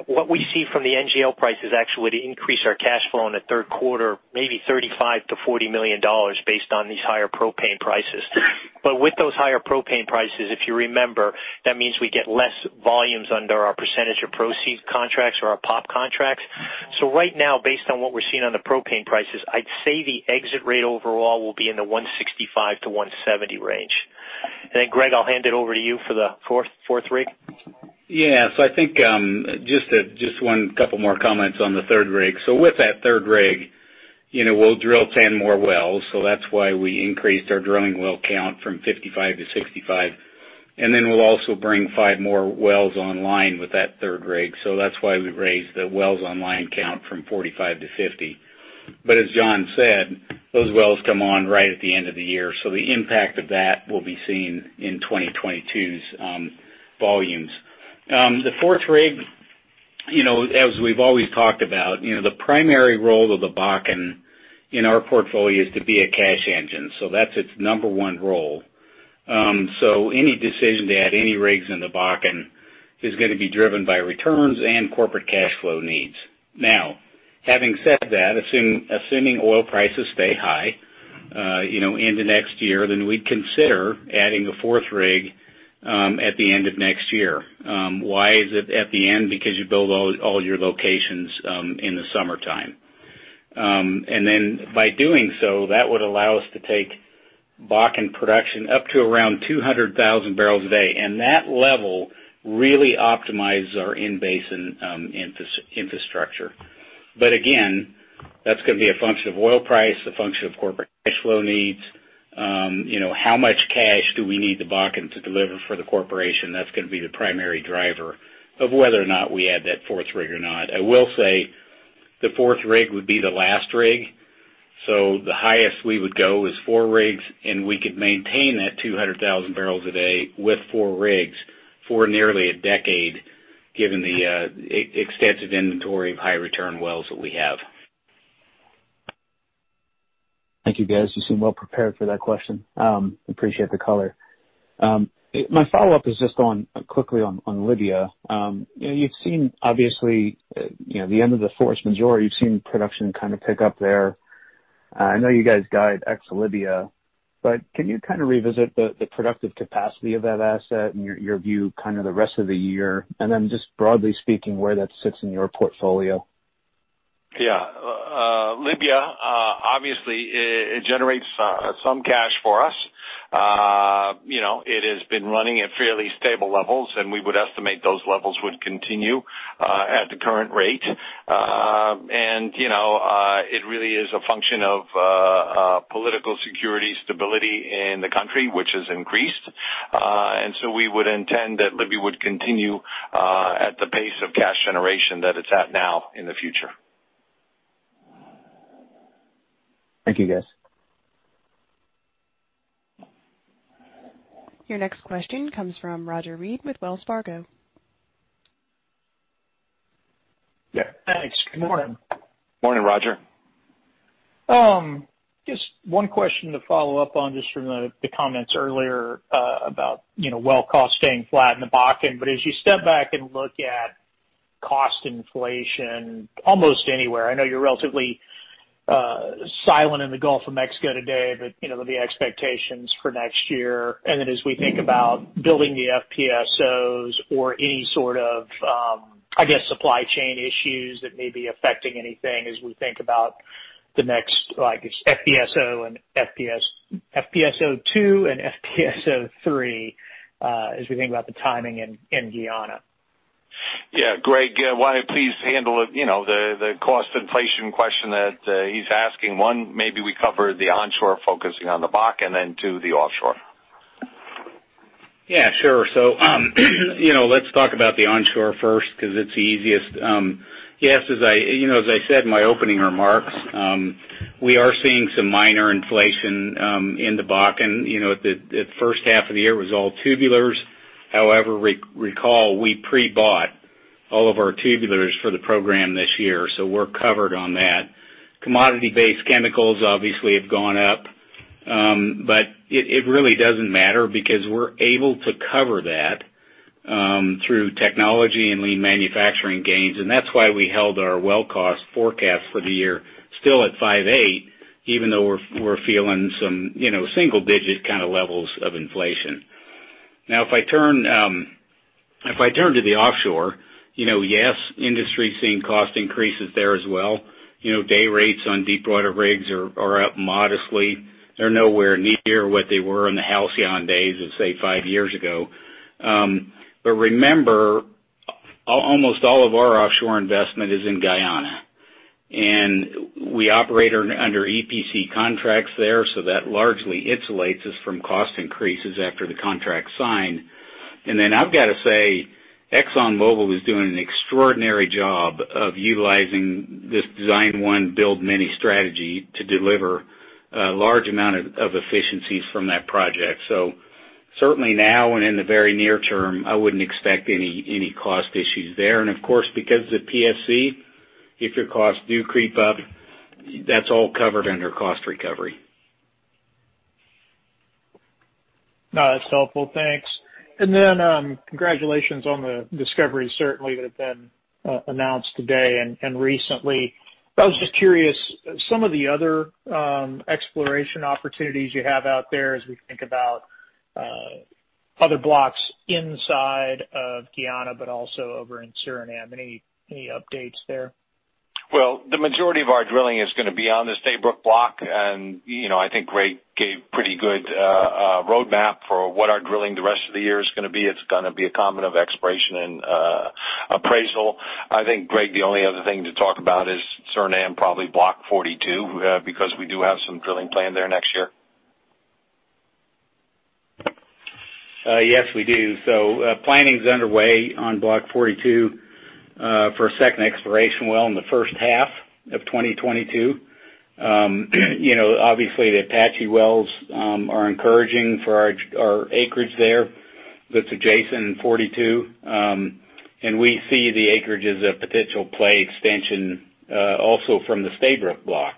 What we see from the NGL price is actually to increase our cash flow in the 3rd quarter, maybe $35 million-$40 million based on these higher propane prices. With those higher propane prices, if you remember, that means we get less volumes under our percentage of proceed contracts or our POP contracts. Right now, based on what we're seeing on the propane prices, I'd say the exit rate overall will be in the $165-$170 range. Then Greg, I'll hand it over to you for the fourth rig. I think just one couple more comments on the third rig. With that third rig, we'll drill 10 more wells. That's why we increased our drilling well count from 55 to 65. We'll also bring 5 more wells online with that third rig. That's why we raised the wells online count from 45 to 50. As John said, those wells come on right at the end of the year. The impact of that will be seen in 2022's volumes. The fourth rig, as we've always talked about, the primary role of the Bakken in our portfolio is to be a cash engine. That's its number one role. Any decision to add any rigs in the Bakken is going to be driven by returns and corporate cash flow needs. Now, having said that, assuming oil prices stay high into next year, we'd consider adding a fourth rig at the end of next year. Why is it at the end? Because you build all your locations in the summertime. By doing so, that would allow us to take Bakken production up to around 200,000 barrels a day, and that level really optimizes our in-basin infrastructure. Again, that's going to be a function of oil price, a function of corporate cash flow needs. How much cash do we need the Bakken to deliver for the corporation? That's going to be the primary driver of whether or not we add that fourth rig or not. I will say the fourth rig would be the last rig. The highest we would go is four rigs, and we could maintain that 200,000 barrels a day with four rigs for nearly a decade, given the extensive inventory of high-return wells that we have. Thank you, guys. You seem well prepared for that question. Appreciate the color. My follow-up is just quickly on Libya. You've seen, obviously, the end of the force majeure. You've seen production kind of pick up there. I know you guys guide ex Libya, but can you kind of revisit the productive capacity of that asset and your view kind of the rest of the year? Then just broadly speaking, where that sits in your portfolio? Yeah. Libya, obviously, it generates some cash for us. It has been running at fairly stable levels, and we would estimate those levels would continue at the current rate. It really is a function of political security stability in the country, which has increased. We would intend that Libya would continue at the pace of cash generation that it's at now in the future. Thank you, guys. Your next question comes from Roger Read with Wells Fargo. Yeah. Thanks. Good morning. Morning, Roger. Just one question to follow up on just from the comments earlier about well cost staying flat in the Bakken. As you step back and look at cost inflation almost anywhere, I know you're relatively silent in the Gulf of Mexico today, but the expectations for next year, and then as we think about building the FPSOs or any sort of, I guess, supply chain issues that may be affecting anything as we think about the next FPSO 2 and FPSO 3, as we think about the timing in Guyana? Yeah. Greg, why don't you please handle it, the cost inflation question that he's asking. One, maybe we cover the onshore focusing on the Bakken, then two, the offshore. Yeah, sure. Let's talk about the onshore first because it's the easiest. Yes, as I said in my opening remarks, we are seeing some minor inflation in the Bakken. The first half of the year was all tubulars. However, recall we pre-bought all of our tubulars for the program this year, so we're covered on that. Commodity-based chemicals obviously have gone up. It really doesn't matter because we're able to cover that through technology and lean manufacturing gains. That's why we held our well cost forecast for the year still at $5.8, even though we're feeling some single-digit kind of levels of inflation. If I turn to the offshore, yes, industry is seeing cost increases there as well. Day rates on deep water rigs are up modestly. They're nowhere near what they were in the halcyon days of, say, five years ago. Remember, almost all of our offshore investment is in Guyana, we operate under EPC contracts there, so that largely insulates us from cost increases after the contract's signed. I've got to say, ExxonMobil is doing an extraordinary job of utilizing this design one build many strategy to deliver a large amount of efficiencies from that project. Certainly now and in the very near term, I wouldn't expect any cost issues there. Of course, because of the PSC, if your costs do creep up, that's all covered under cost recovery. No, that's helpful. Thanks. Congratulations on the discoveries certainly that have been announced today and recently. I was just curious, some of the other exploration opportunities you have out there as we think about other blocks inside of Guyana, but also over in Suriname. Any updates there? The majority of our drilling is going to be on the Stabroek Block, and I think Greg gave pretty good roadmap for what our drilling the rest of the year is going to be. It's going to be a combination of exploration and appraisal. I think, Greg, the only other thing to talk about is Suriname, probably Block 42, because we do have some drilling planned there next year. Yes, we do. Planning's underway on Block 42 for a second exploration well in the first half of 2022. Obviously, the Apache wells are encouraging for our acreage there that's adjacent in 42. We see the acreage as a potential play extension also from the Stabroek Block.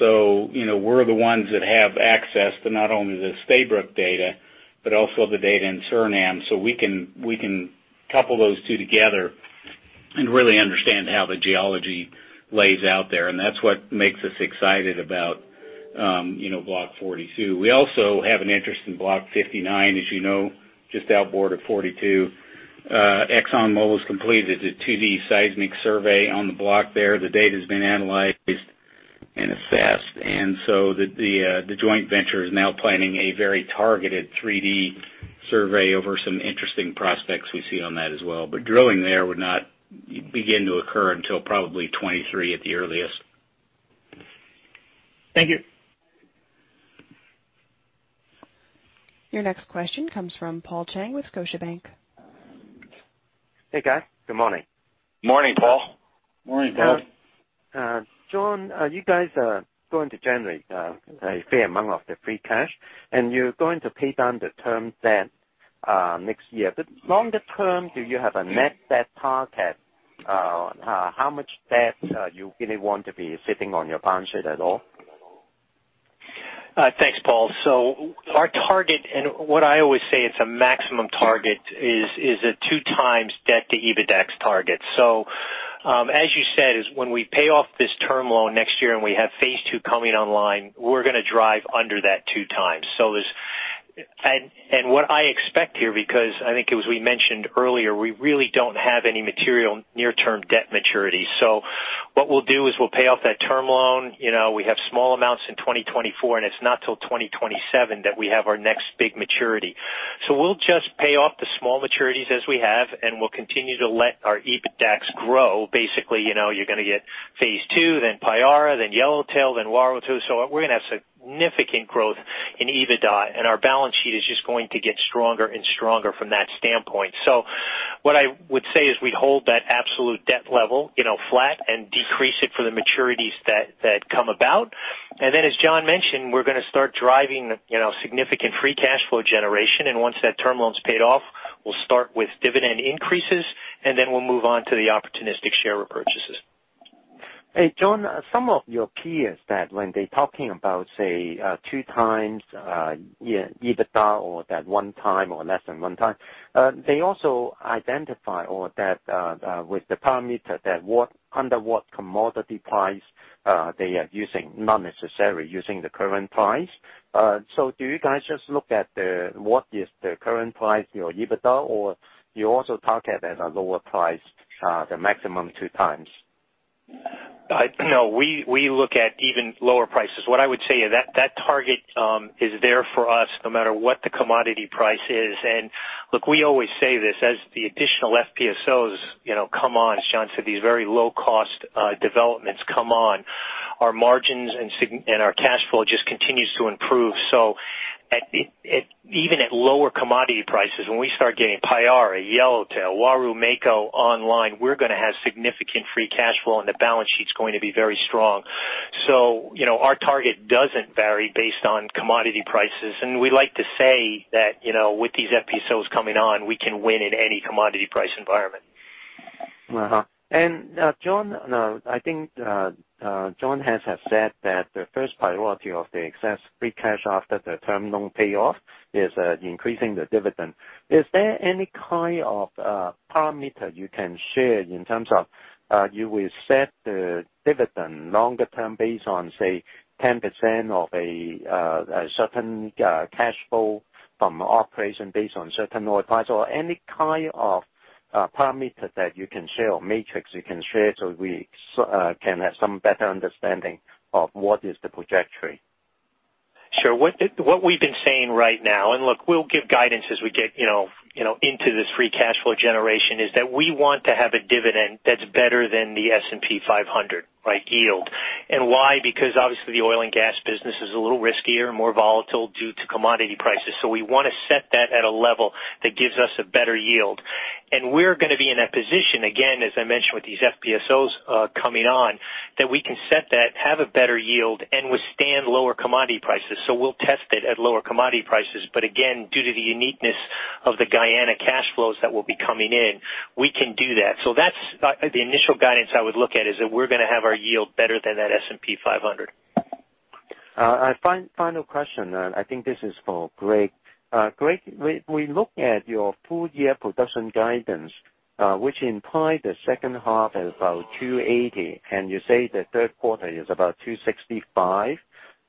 We're the ones that have access to not only the Stabroek data but also the data in Suriname.We can couple those two together and really understand how the geology lays out there, and that's what makes us excited about Block 42 .We also have an interest in Block 59, as you know, just outboard of 42. ExxonMobil's completed a 2D seismic survey on the block there. The data's been analyzed and assessed, the joint venture is now planning a very targeted 3D survey over some interesting prospects we see on that as well. Drilling there would not begin to occur until probably 2023 at the earliest. Thank you. Your next question comes from Paul Cheng with Scotiabank. Hey, guys. Good morning. Morning, Paul. Morning, Paul. John, you guys are going to generate a fair amount of the free cash, and you're going to pay down the term debt next year. Longer term, do you have a net debt target? How much debt you really want to be sitting on your balance sheet at all? Thanks, Paul. Our target, and what I always say it's a maximum target, is a two times debt to EBITDAX target. As you said, when we pay off this term loan next year and we have phase ll coming online, we're going to drive under that two times. What I expect here, because I think it was we mentioned earlier, we really don't have any material near-term debt maturity. What we'll do is we'll pay off that term loan. We have small amounts in 2024, and it's not till 2027 that we have our next big maturity. We'll just pay off the small maturities as we have, and we'll continue to let our EBITDAX grow. Basically, you're going to get phase ll, then Payara, then Whiptail, then Uaru-2 We're going to have significant growth in EBITDA, and our balance sheet is just going to get stronger and stronger from that standpoint. What I would say is we hold that absolute debt level flat and decrease it for the maturities that come about. Then, as John mentioned, we're going to start driving significant free cash flow generation. Once that term loan is paid off, we'll start with dividend increases, and then we'll move on to the opportunistic share repurchases. Hey, John, some of your peers that when they're talking about, say, two times EBITDA or that one time or less than one time, they also identify or that with the parameter that under what commodity price they are using, not necessarily using the current price. Do you guys just look at what is the current price, your EBITDA, or you also target at a lower price, the maximum two times? No. We look at even lower prices. What I would say is that target is there for us no matter what the commodity price is. Look, we always say this, as the additional FPSOs come on, John said these very low-cost developments come on, our margins and our cash flow just continues to improve. Even at lower commodity prices, when we start getting Payara, Yellowtail, Uaru, Mako online, we're going to have significant free cash flow, and the balance sheet's going to be very strong. Our target doesn't vary based on commodity prices. We like to say that, with these FPSOs coming on, we can win in any commodity price environment. John, I think John Hess said that the first priority of the excess free cash after the term loan payoff is increasing the dividend. Is there any kind of parameter you can share in terms of you will set the dividend longer term based on, say, 10% of a certain cash flow from operation based on certain oil price or any kind of parameter that you can share or matrix you can share so we can have some better understanding of what is the trajectory? Sure. What we've been saying right now, and look, we'll give guidance as we get into this free cash flow generation, is that we want to have a dividend that's better than the S&P 500 yield. Why? Because obviously the oil and gas business is a little riskier and more volatile due to commodity prices. We want to set that at a level that gives us a better yield. We're going to be in a position, again, as I mentioned, with these FPSOs coming on, that we can set that, have a better yield, and withstand lower commodity prices. We'll test it at lower commodity prices. Again, due to the uniqueness of the Guyana cash flows that will be coming in, we can do that. That's the initial guidance I would look at, is that we're going to have our yield better than that S&P 500. Final question. I think this is for Greg. Greg, we look at your full year production guidance, which implies the second half at about 280, and you say the third quarter is about 265.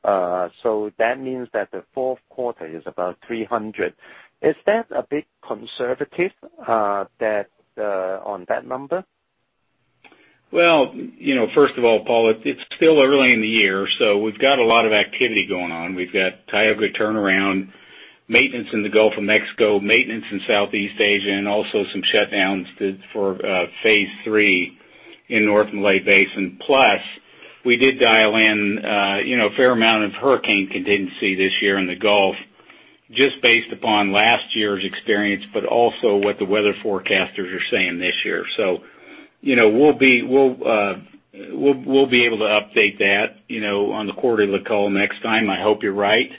That means that the fourth quarter is about 300. Is that a bit conservative on that number? Well, first of all, Paul, it's still early in the year, we've got a lot of activity going on. We've got Tioga turnaround, maintenance in the Gulf of Mexico, maintenance in Southeast Asia, and also some shutdowns for phase lll in North Malay Basin. We did dial in a fair amount of hurricane contingency this year in the Gulf just based upon last year's experience, but also what the weather forecasters are saying this year. We'll be able to update that on the quarterly call next time. I hope you're right.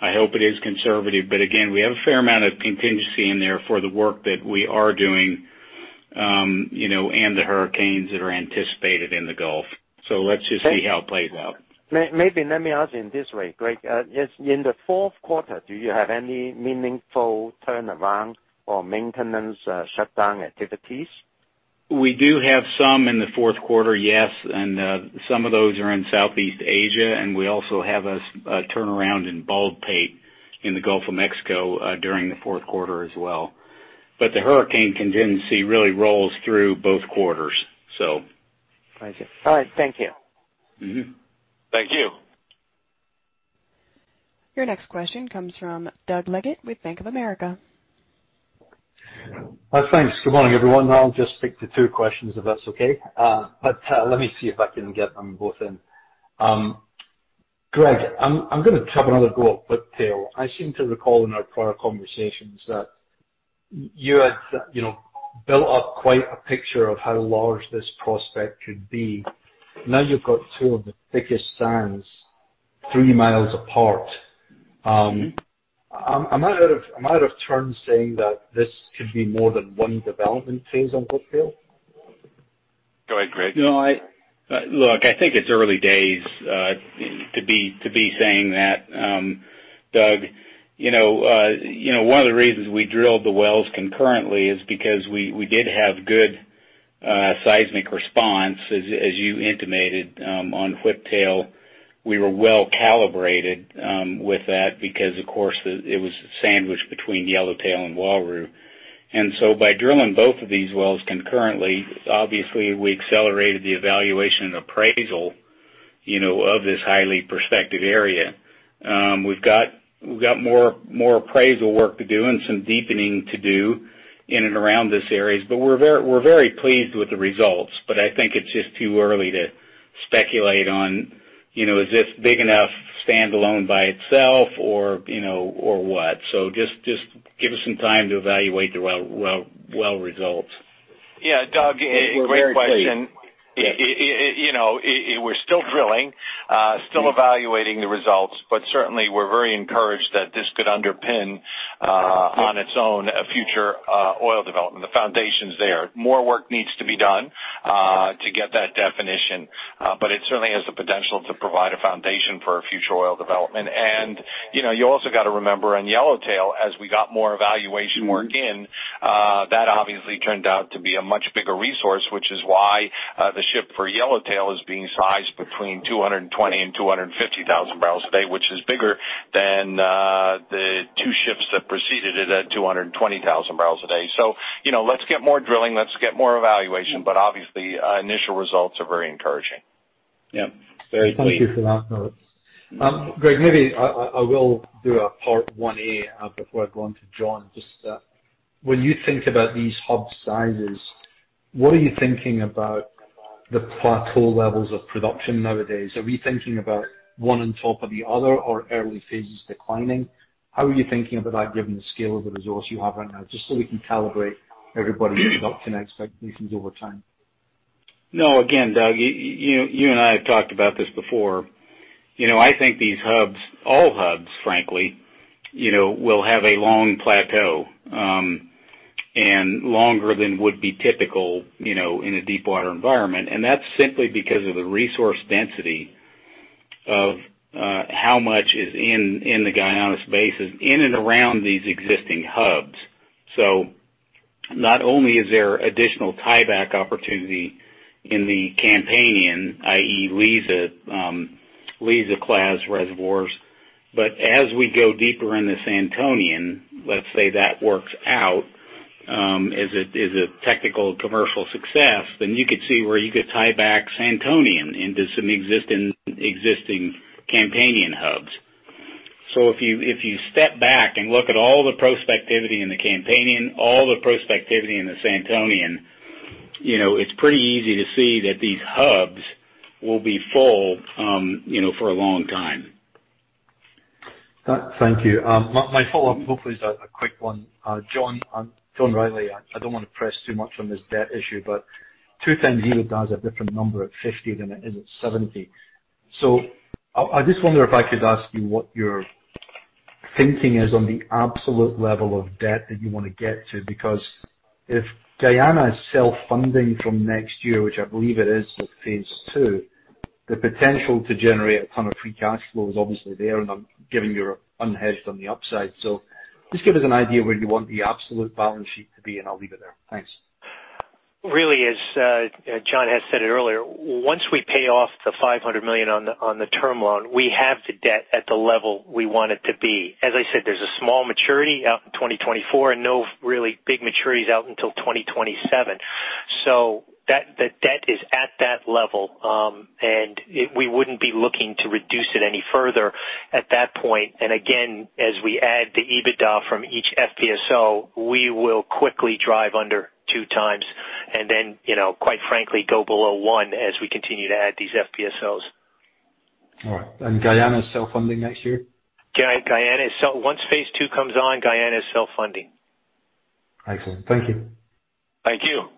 I hope it is conservative, but again, we have a fair amount of contingency in there for the work that we are doing, and the hurricanes that are anticipated in the Gulf. Let's just see how it plays out. Maybe let me ask in this way, Greg. In the fourth quarter, do you have any meaningful turnaround or maintenance shutdown activities? We do have some in the fourth quarter, yes. Some of those are in Southeast Asia, and we also have a turnaround in Baldpate in the Gulf of Mexico during the fourth quarter as well. The hurricane contingency really rolls through both quarters. I see. All right. Thank you. Mm-hmm. Thank you. Your next question comes from Doug Leggate with Bank of America. Thanks. Good morning, everyone. I'll just stick to two questions if that's okay. Let me see if I can get them both in. Greg, I'm going to have another go at Whiptail. I seem to recall in our prior conversations that you had built up quite a picture of how large this prospect could be. Now you've got two of the thickest sands three miles apart. Am I out of turn saying that this could be more than one development phase on Whiptail? Go ahead, Greg. Look, I think it's early days to be saying that, Doug. One of the reasons we drilled the wells concurrently is because we did have good Seismic response as you intimated, on Whiptail, we were well calibrated, with that because of course it was sandwiched between Yellowtail and Uaru. By drilling both of these wells concurrently, obviously we accelerated the evaluation and appraisal, of this highly prospective area. We've got more appraisal work to do and some deepening to do in and around these areas, but we're very pleased with the results. I think it's just too early to speculate on, is this big enough, standalone by itself or what. Just give us some time to evaluate the well results. Yeah. Doug, great question. We're very pleased. Yeah. We're still drilling, still evaluating the results, but certainly we're very encouraged that this could underpin on its own, a future oil development. The foundation's there. More work needs to be done to get that definition, but it certainly has the potential to provide a foundation for our future oil development. You also got to remember on Yellowtail, as we got more evaluation work in, that obviously turned out to be a much bigger resource, which is why the ship for Yellowtail is being sized between 220,000 and 250,000 barrels a day, which is bigger than the two ships that preceded it at 220,000 barrels a day. Let's get more drilling, let's get more evaluation. Obviously, initial results are very encouraging. Yeah. Very pleased. Thank you for that note. Greg, maybe I will do a part 1E before I go on to John. Just that when you think about these hub sizes, what are you thinking about the plateau levels of production nowadays? Are we thinking about one on top of the other or early phases declining? How are you thinking about that given the scale of the resource you have right now, just so we can calibrate everybody's adoption expectations over time? No, again, Doug, you and I have talked about this before. I think these hubs, all hubs frankly, will have a long plateau, and longer than would be typical in a deepwater environment. That's simply because of the resource density of how much is in the Guyana basins, in and around these existing hubs. Not only is there additional tieback opportunity in the Campanian, i.e. Liza class reservoirs, but as we go deeper into Santonian, let's say that works out as a technical commercial success, then you could see where you could tieback Santonian into some existing Campanian hubs. If you step back and look at all the prospectivity in the Campanian, all the prospectivity in the Santonian, it's pretty easy to see that these hubs will be full for a long time. Thank you. My follow-up hopefully is a quick one. John Rielly, I don't want to press too much on this debt issue, but two times EBITDA is a different number at 50 than it is at 70. I just wonder if I could ask you what your thinking is on the absolute level of debt that you want to get to. Because if Guyana is self-funding from next year, which I believe it is with Phase ll, the potential to generate a ton of free cash flow is obviously there, and given you're unhedged on the upside. Just give us an idea where you want the absolute balance sheet to be, and I'll leave it there. Thanks. As John had said earlier, once we pay off the $500 million on the term loan, we have the debt at the level we want it to be. As I said, there's a small maturity out in 2024 and no really big maturities out until 2027. The debt is at that level, and we wouldn't be looking to reduce it any further at that point. Again, as we add the EBITDA from each FPSO, we will quickly drive under two times and then, quite frankly, go below 1 as we continue to add these FPSOs. All right. Guyana is self-funding next year? Guyana is Once Phase ll comes on, Guyana is self-funding. Excellent. Thank you. Thank you.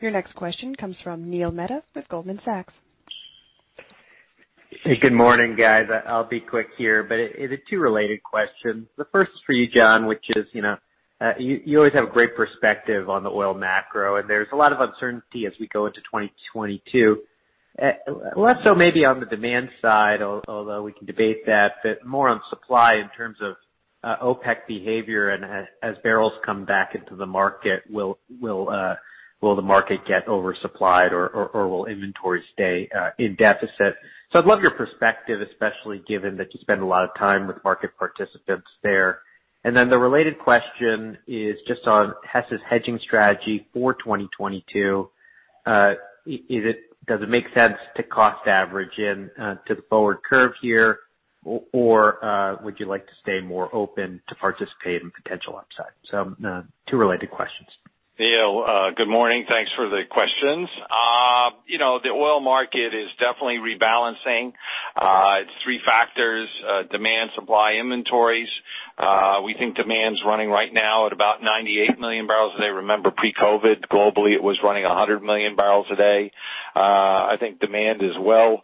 Your next question comes from Neil Mehta with Goldman Sachs. Hey, good morning, guys. I'll be quick here. It is two related questions. The first is for you, John. You always have a great perspective on the oil macro. There's a lot of uncertainty as we go into 2022. Less so maybe on the demand side, although we can debate that. More on supply in terms of OPEC behavior. As barrels come back into the market, will the market get oversupplied or will inventory stay in deficit? I'd love your perspective, especially given that you spend a lot of time with market participants there. The related question is just on Hess's hedging strategy for 2022. Does it make sense to cost average in to the forward curve here or would you like to stay more open to participate in potential upside? two related questions. Neil, good morning. Thanks for the questions. The oil market is definitely rebalancing. It's three factors, demand, supply, inventories. We think demand's running right now at about 98 million barrels a day. Remember, pre-COVID, globally, it was running 100 million barrels a day. I think demand is well.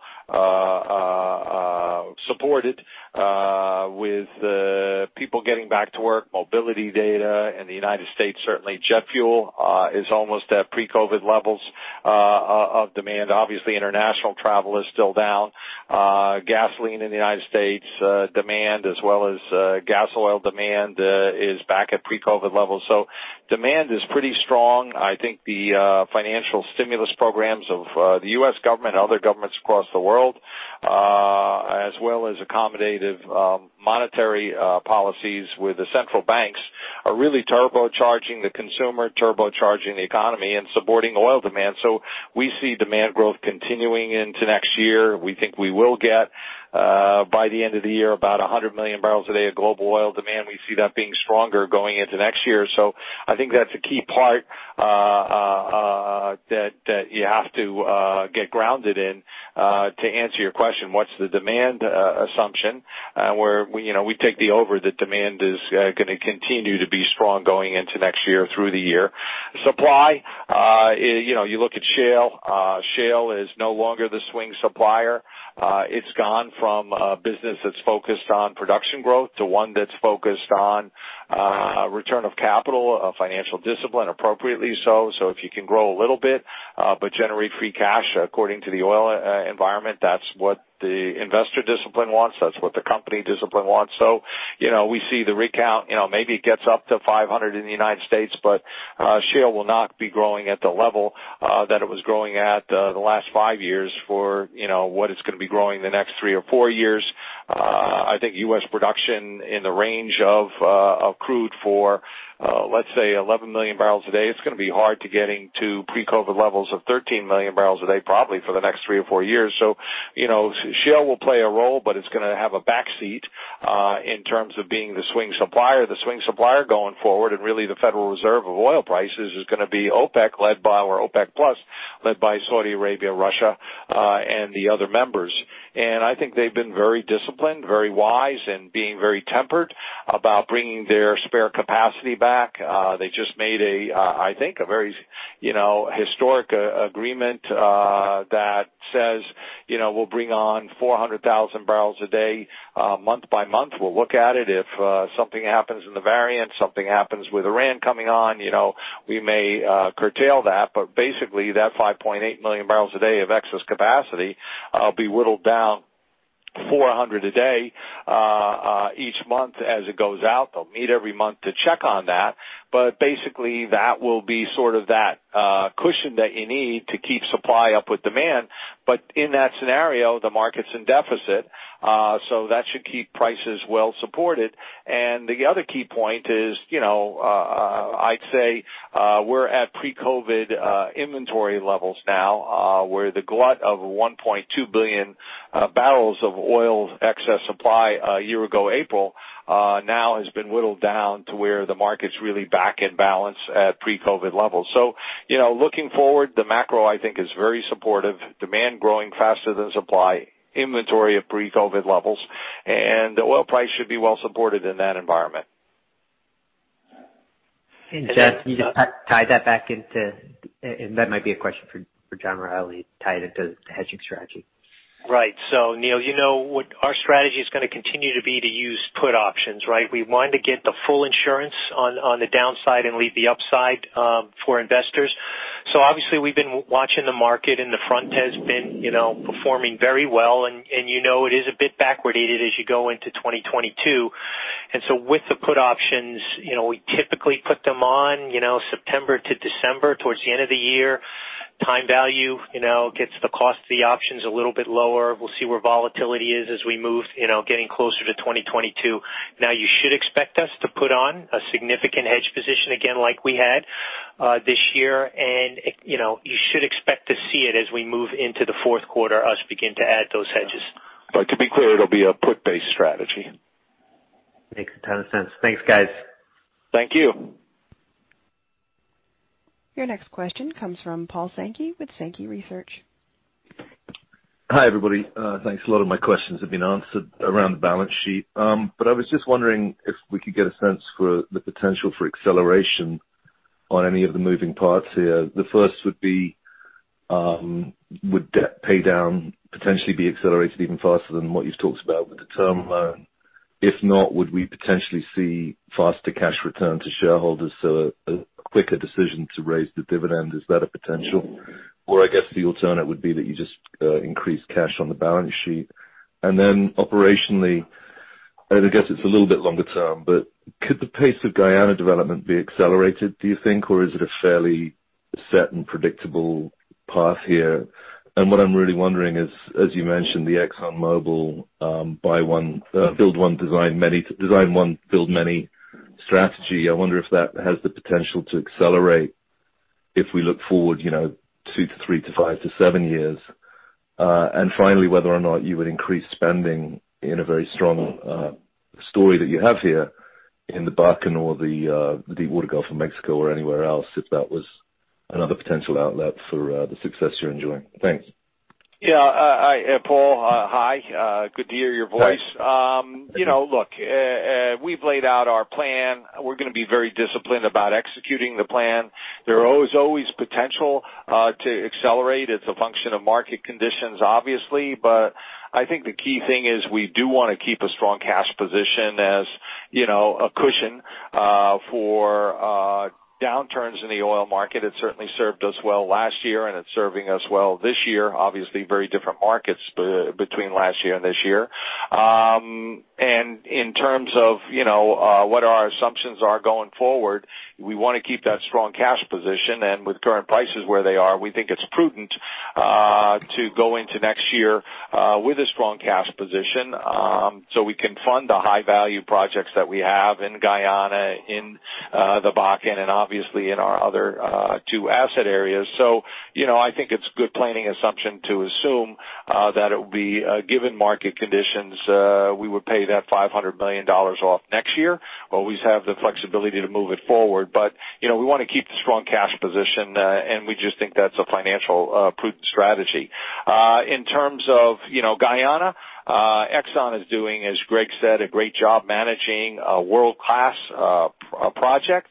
Supported with people getting back to work, mobility data in the United States, jet fuel is almost at pre-COVID levels of demand. International travel is still down. Gasoline in the United States, demand as well as gas oil demand is back at pre-COVID levels. Demand is pretty strong. I think the financial stimulus programs of the U.S. government and other governments across the world, as well as accommodative monetary policies with the central banks, are really turbocharging the consumer, turbocharging the economy, and supporting oil demand. We see demand growth continuing into next year. We think we will get, by the end of the year, about 100 million barrels a day of global oil demand. We see that being stronger going into next year. I think that's a key part that you have to get grounded in to answer your question, what's the demand assumption? We take the over that demand is going to continue to be strong going into next year through the year. Supply, you look at shale. Shale is no longer the swing supplier. It's gone from a business that's focused on production growth to one that's focused on return of capital, financial discipline, appropriately so. If you can grow a little bit, but generate free cash according to the oil environment, that's what the investor discipline wants, that's what the company discipline wants. We see the rig count, maybe it gets up to 500 in the U.S., but shale will not be growing at the level that it was growing at the last five years for what it's going to be growing the next three or four years. I think U.S. production in the range of crude for, let's say, 11 million barrels a day, it's going to be hard to getting to pre-COVID levels of 13 million barrels a day, probably for the next three or four years. Shale will play a role, but it's going to have a back seat in terms of being the swing supplier. The swing supplier going forward, and really the Federal Reserve of oil prices, is going to be OPEC+, led by Saudi Arabia, Russia, and the other members. I think they've been very disciplined, very wise, and being very tempered about bringing their spare capacity back. They just made, I think, a very historic agreement that says, "We'll bring on 400,000 barrels a day. Month by month, we'll look at it. If something happens in the variant, something happens with Iran coming on, we may curtail that. Basically, that 5.8 million barrels a day of excess capacity will be whittled down 400 a day. Each month as it goes out, they'll meet every month to check on that. Basically, that will be sort of that cushion that you need to keep supply up with demand. In that scenario, the market's in deficit, that should keep prices well supported. The other key point is, I'd say we're at pre-COVID inventory levels now, where the glut of 1.2 billion barrels of oil excess supply a year ago April, now has been whittled down to where the market's really back in balance at pre-COVID levels. Looking forward, the macro, I think, is very supportive. Demand growing faster than supply, inventory of pre-COVID levels, and the oil price should be well supported in that environment. Jeff, can you just And that might be a question for John Rielly, tie it into the hedging strategy? Right. Neil, our strategy is going to continue to be to use put options, right? We want to get the full insurance on the downside and leave the upside for investors. Obviously, we've been watching the market, and the front has been performing very well, and you know it is a bit backwardated as you go into 2022. With the put options, we typically put them on September to December, towards the end of the year. Time value gets the cost of the options a little bit lower. We'll see where volatility is as we move getting closer to 2022. You should expect us to put on a significant hedge position again, like we had this year, and you should expect to see it as we move into the fourth quarter, us begin to add those hedges. To be clear, it'll be a put-based strategy. Makes a ton of sense. Thanks, guys. Thank you. Your next question comes from Paul Sankey with Sankey Research. Hi, everybody. Thanks. A lot of my questions have been answered around the balance sheet. I was just wondering if we could get a sense for the potential for acceleration on any of the moving parts here. The first would be, would debt pay down potentially be accelerated even faster than what you've talked about with the term loan? If not, would we potentially see faster cash return to shareholders, so a quicker decision to raise the dividend? Is that a potential? I guess the alternate would be that you just increase cash on the balance sheet. Operationally, I guess it's a little bit longer term, could the pace of Guyana development be accelerated, do you think, or is it a fairly set and predictable path here? What I'm really wondering is, as you mentioned, the ExxonMobil build one, build many strategy. I wonder if that has the potential to accelerate if we look forward two to three to five to seven years. Finally, whether or not you would increase spending in a very strong story that you have here in the Bakken or the Deepwater Gulf of Mexico or anywhere else, if that was another potential outlet for the success you're enjoying. Thanks. Yeah. Paul, hi. Good to hear your voice. Hi. Look, we've laid out our plan. We're going to be very disciplined about executing the plan. There is always potential to accelerate. It's a function of market conditions, obviously. I think the key thing is we do want to keep a strong cash position as a cushion for downturns in the oil market. It certainly served us well last year, and it's serving us well this year. Obviously, very different markets between last year and this year. In terms of what our assumptions are going forward, we want to keep that strong cash position. With current prices where they are, we think it's prudent to go into next year with a strong cash position, so we can fund the high-value projects that we have in Guyana, in the Bakken, and obviously in our other two asset areas. I think it's good planning assumption to assume that it will be given market conditions, we would pay that $500 million off next year. Always have the flexibility to move it forward. We want to keep the strong cash position, and we just think that's a financial prudent strategy. In terms of Guyana, Exxon is doing, as Greg said, a great job managing a world-class project,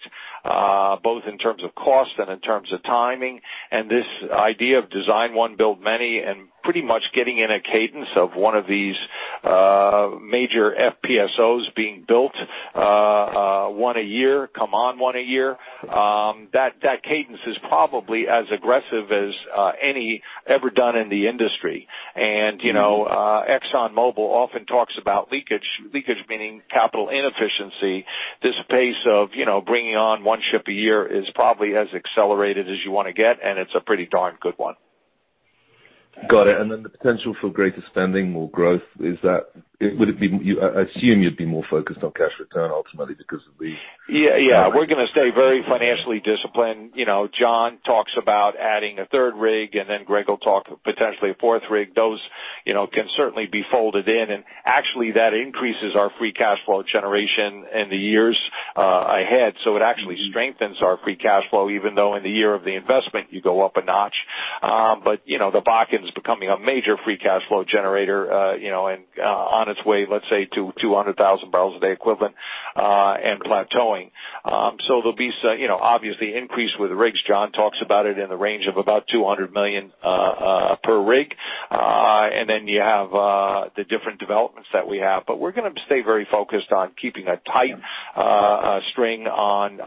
both in terms of cost and in terms of timing. This idea of design one, build many, and pretty much getting in a cadence of one of these major FPSOs being built, one a year, come on one a year, that cadence is probably as aggressive as any ever done in the industry. ExxonMobil often talks about leakage meaning capital inefficiency. This pace of bringing on one ship a year is probably as accelerated as you want to get, and it's a pretty darn good one. Got it. The potential for greater spending, more growth, I assume you'd be more focused on cash return ultimately. Yeah. We're going to stay very financially disciplined. John talks about adding a third rig, Greg will talk potentially a fourth rig. Those can certainly be folded in, that increases our free cash flow generation in the years ahead. It actually strengthens our free cash flow, even though in the year of the investment, you go up a notch. The Bakken's becoming a major free cash flow generator, and on its way, let's say, to 200,000 barrels a day equivalent, and plateauing. There'll be obviously increase with rigs. John talks about it in the range of about $200 million per rig. You have the different developments that we have. We're going to stay very focused on keeping a tight string on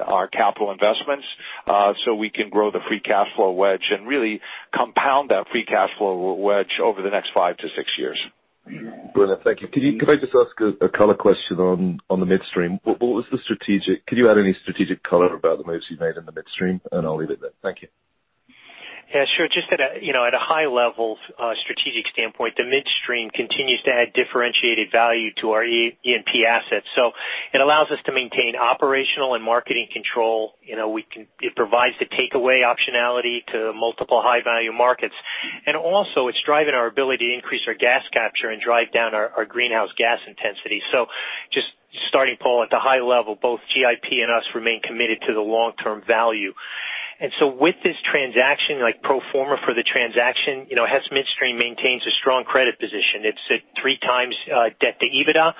our capital investments so we can grow the free cash flow wedge and really compound that free cash flow wedge over the next five to six years. Brilliant. Thank you. Could I just ask a color question on the midstream? Could you add any strategic color about the moves you've made in the midstream? I'll leave it there. Thank you. Yeah, sure. Just at a high level strategic standpoint, the midstream continues to add differentiated value to our E&P assets. It allows us to maintain operational and marketing control. It provides the takeaway optionality to multiple high-value markets. Also, it's driving our ability to increase our gas capture and drive down our greenhouse gas intensity. Just starting, Paul, at the high level, both GIP and us remain committed to the long-term value. With this transaction, like pro forma for the transaction, Hess Midstream maintains a strong credit position. It's at three times debt to EBITDA,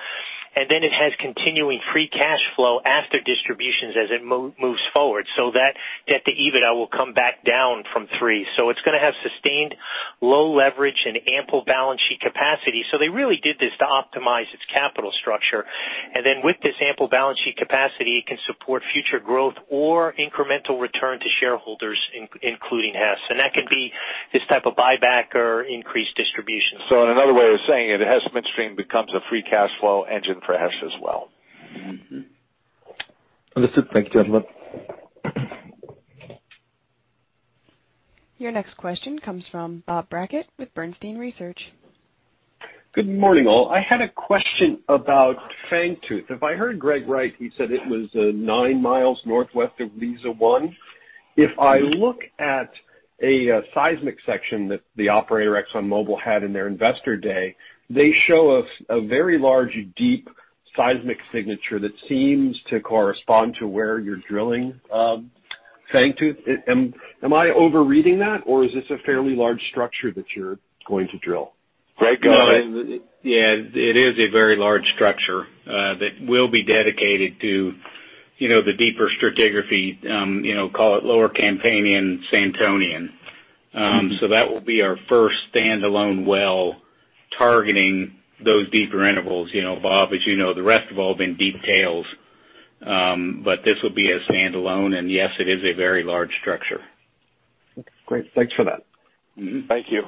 and then it has continuing free cash flow after distributions as it moves forward. That debt to EBITDA will come back down from three. It's going to have sustained low leverage and ample balance sheet capacity. They really did this to optimize its capital structure. With this ample balance sheet capacity, it can support future growth or incremental return to shareholders, including Hess. That can be this type of buyback or increased distribution. In another way of saying it, Hess Midstream becomes a free cash flow engine for Hess as well. Understood. Thank you, gentlemen. Your next question comes from Bob Brackett with Bernstein Research. Good morning, all. I had a question about Fangtooth. If I heard Greg right, he said it was nine miles northwest of Liza-1. If I look at a seismic section that the operator, ExxonMobil, had in their investor day, they show a very large, deep seismic signature that seems to correspond to where you're drilling Fangtooth. Am I overreading that, or is this a fairly large structure that you're going to drill? Greg, go ahead. It is a very large structure that will be dedicated to the deeper stratigraphy, call it Lower Campanian Santonian. That will be our first standalone well targeting those deeper intervals. Bob, as you know, the rest have all been deep tails. This will be a standalone, and yes, it is a very large structure. Okay, great. Thanks for that. Thank you.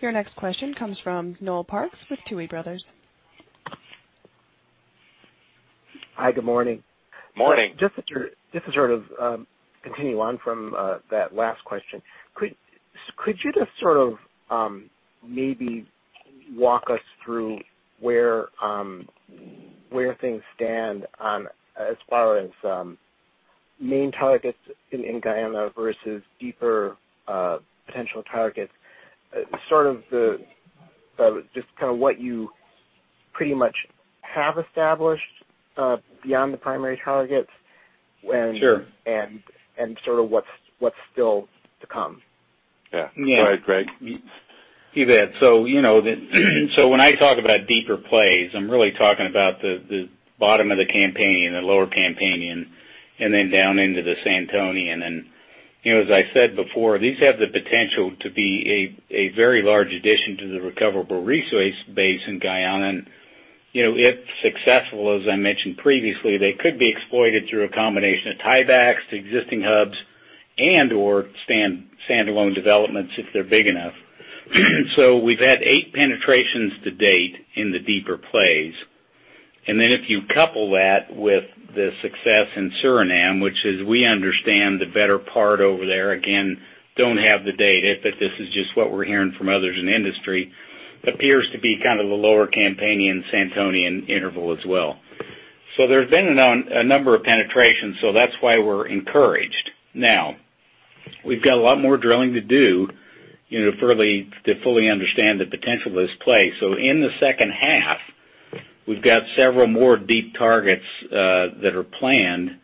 Your next question comes from Noel Parks with Tuohy Brothers. Hi, good morning. Morning. Just to sort of continue on from that last question, could you just sort of maybe walk us through where things stand as far as main targets in Guyana versus deeper potential targets, sort of just what you pretty much have established beyond the primary targets? Sure sort of what's still to come. Yeah. Yeah. Go ahead, Greg. When I talk about deeper plays, I'm really talking about the bottom of the Campanian, the Lower Campanian, and then down into the Santonian. As I said before, these have the potential to be a very large addition to the recoverable resource base in Guyana. If successful, as I mentioned previously, they could be exploited through a combination of tiebacks to existing hubs and/or standalone developments if they're big enough. We've had eight penetrations to date in the deeper plays. If you couple that with the success in Suriname, which is, we understand the better part over there, again, don't have the data, but this is just what we're hearing from others in the industry, appears to be kind of the Lower Campanian, Santonian interval as well. There's been a number of penetrations, so that's why we're encouraged. We've got a lot more drilling to do to fully understand the potential of this play. In the second half, we've got several more deep targets that are planned.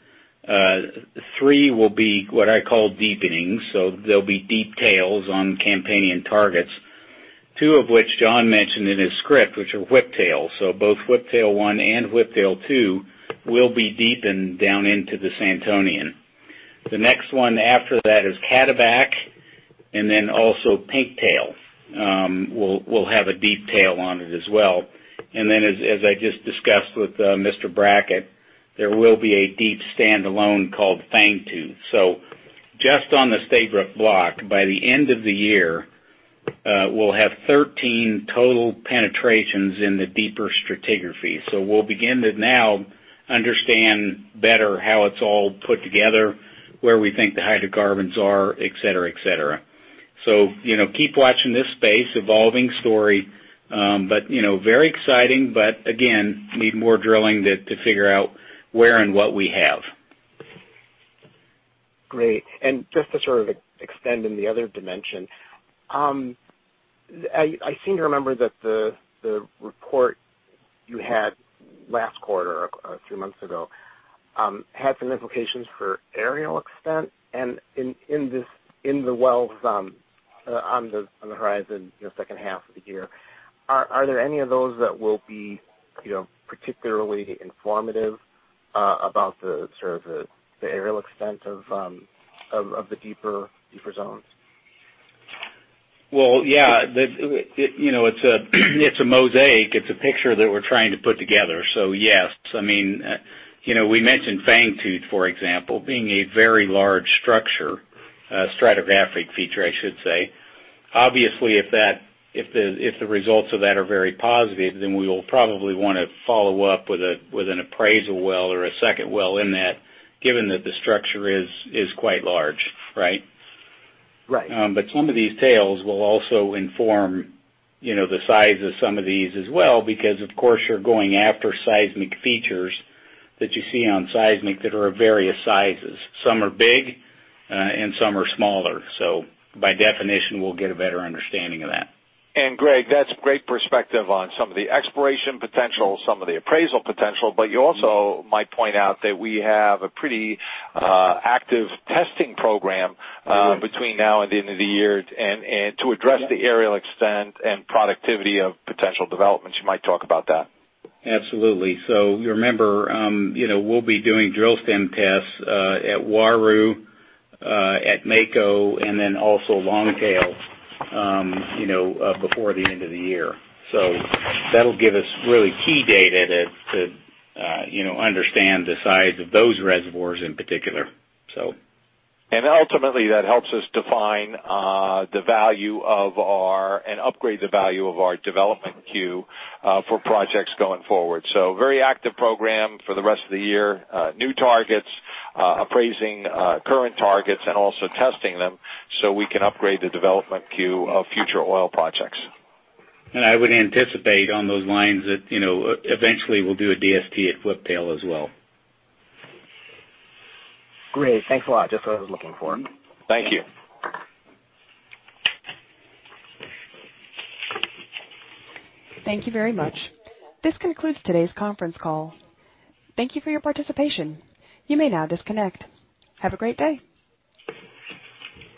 three will be what I call deepenings, so they'll be deep tails on Campanian targets, two of which John mentioned in his script, which are Whiptail. Both Whiptail-1 and Whiptail-2 will be deepened down into the Santonian. The next one after that is Cataback, and then also Pinktail will have a deep tail on it as well. Then, as I just discussed with Mr. Brackett, there will be a deep standalone called Fangtooth. Just on the Stabroek Block, by the end of the year, we'll have 13 total penetrations in the deeper stratigraphy. We'll begin to now understand better how it's all put together, where we think the hydrocarbons are, et cetera. Keep watching this space, evolving story, but very exciting. Again, need more drilling to figure out where and what we have. Great. Just to sort of extend in the other dimension, I seem to remember that the report you had last quarter, a few months ago, had some implications for aerial extent. In the wells on the horizon, second half of the year, are there any of those that will be particularly informative about the sort of the aerial extent of the deeper zones? Well, yeah. It's a mosaic. It's a picture that we're trying to put together. Yes. We mentioned Fangtooth, for example, being a very large structure, stratigraphic feature, I should say. Obviously, if the results of that are very positive, then we will probably want to follow up with an appraisal well or a second well in that, given that the structure is quite large. Right? Right. Some of these tails will also inform the size of some of these as well, because, of course, you're going after seismic features that you see on seismic that are of various sizes. Some are big, and some are smaller. By definition, we'll get a better understanding of that. Greg, that's great perspective on some of the exploration potential, some of the appraisal potential. You also might point out that we have a pretty active testing program. We do. between now and the end of the year to address the aerial extent and productivity of potential developments. You might talk about that. Absolutely. You remember, we'll be doing drill stem tests at Uaru, at Mako, and then also Longtail before the end of the year. That'll give us really key data to understand the size of those reservoirs in particular. Ultimately, that helps us define and upgrade the value of our development queue for projects going forward. Very active program for the rest of the year. New targets, appraising current targets, and also testing them so we can upgrade the development queue of future oil projects. I would anticipate on those lines that eventually we'll do a DST at Whiptail as well. Great. Thanks a lot. Just what I was looking for. Thank you. Thank you very much. This concludes today's conference call. Thank you for your participation. You may now disconnect. Have a great day.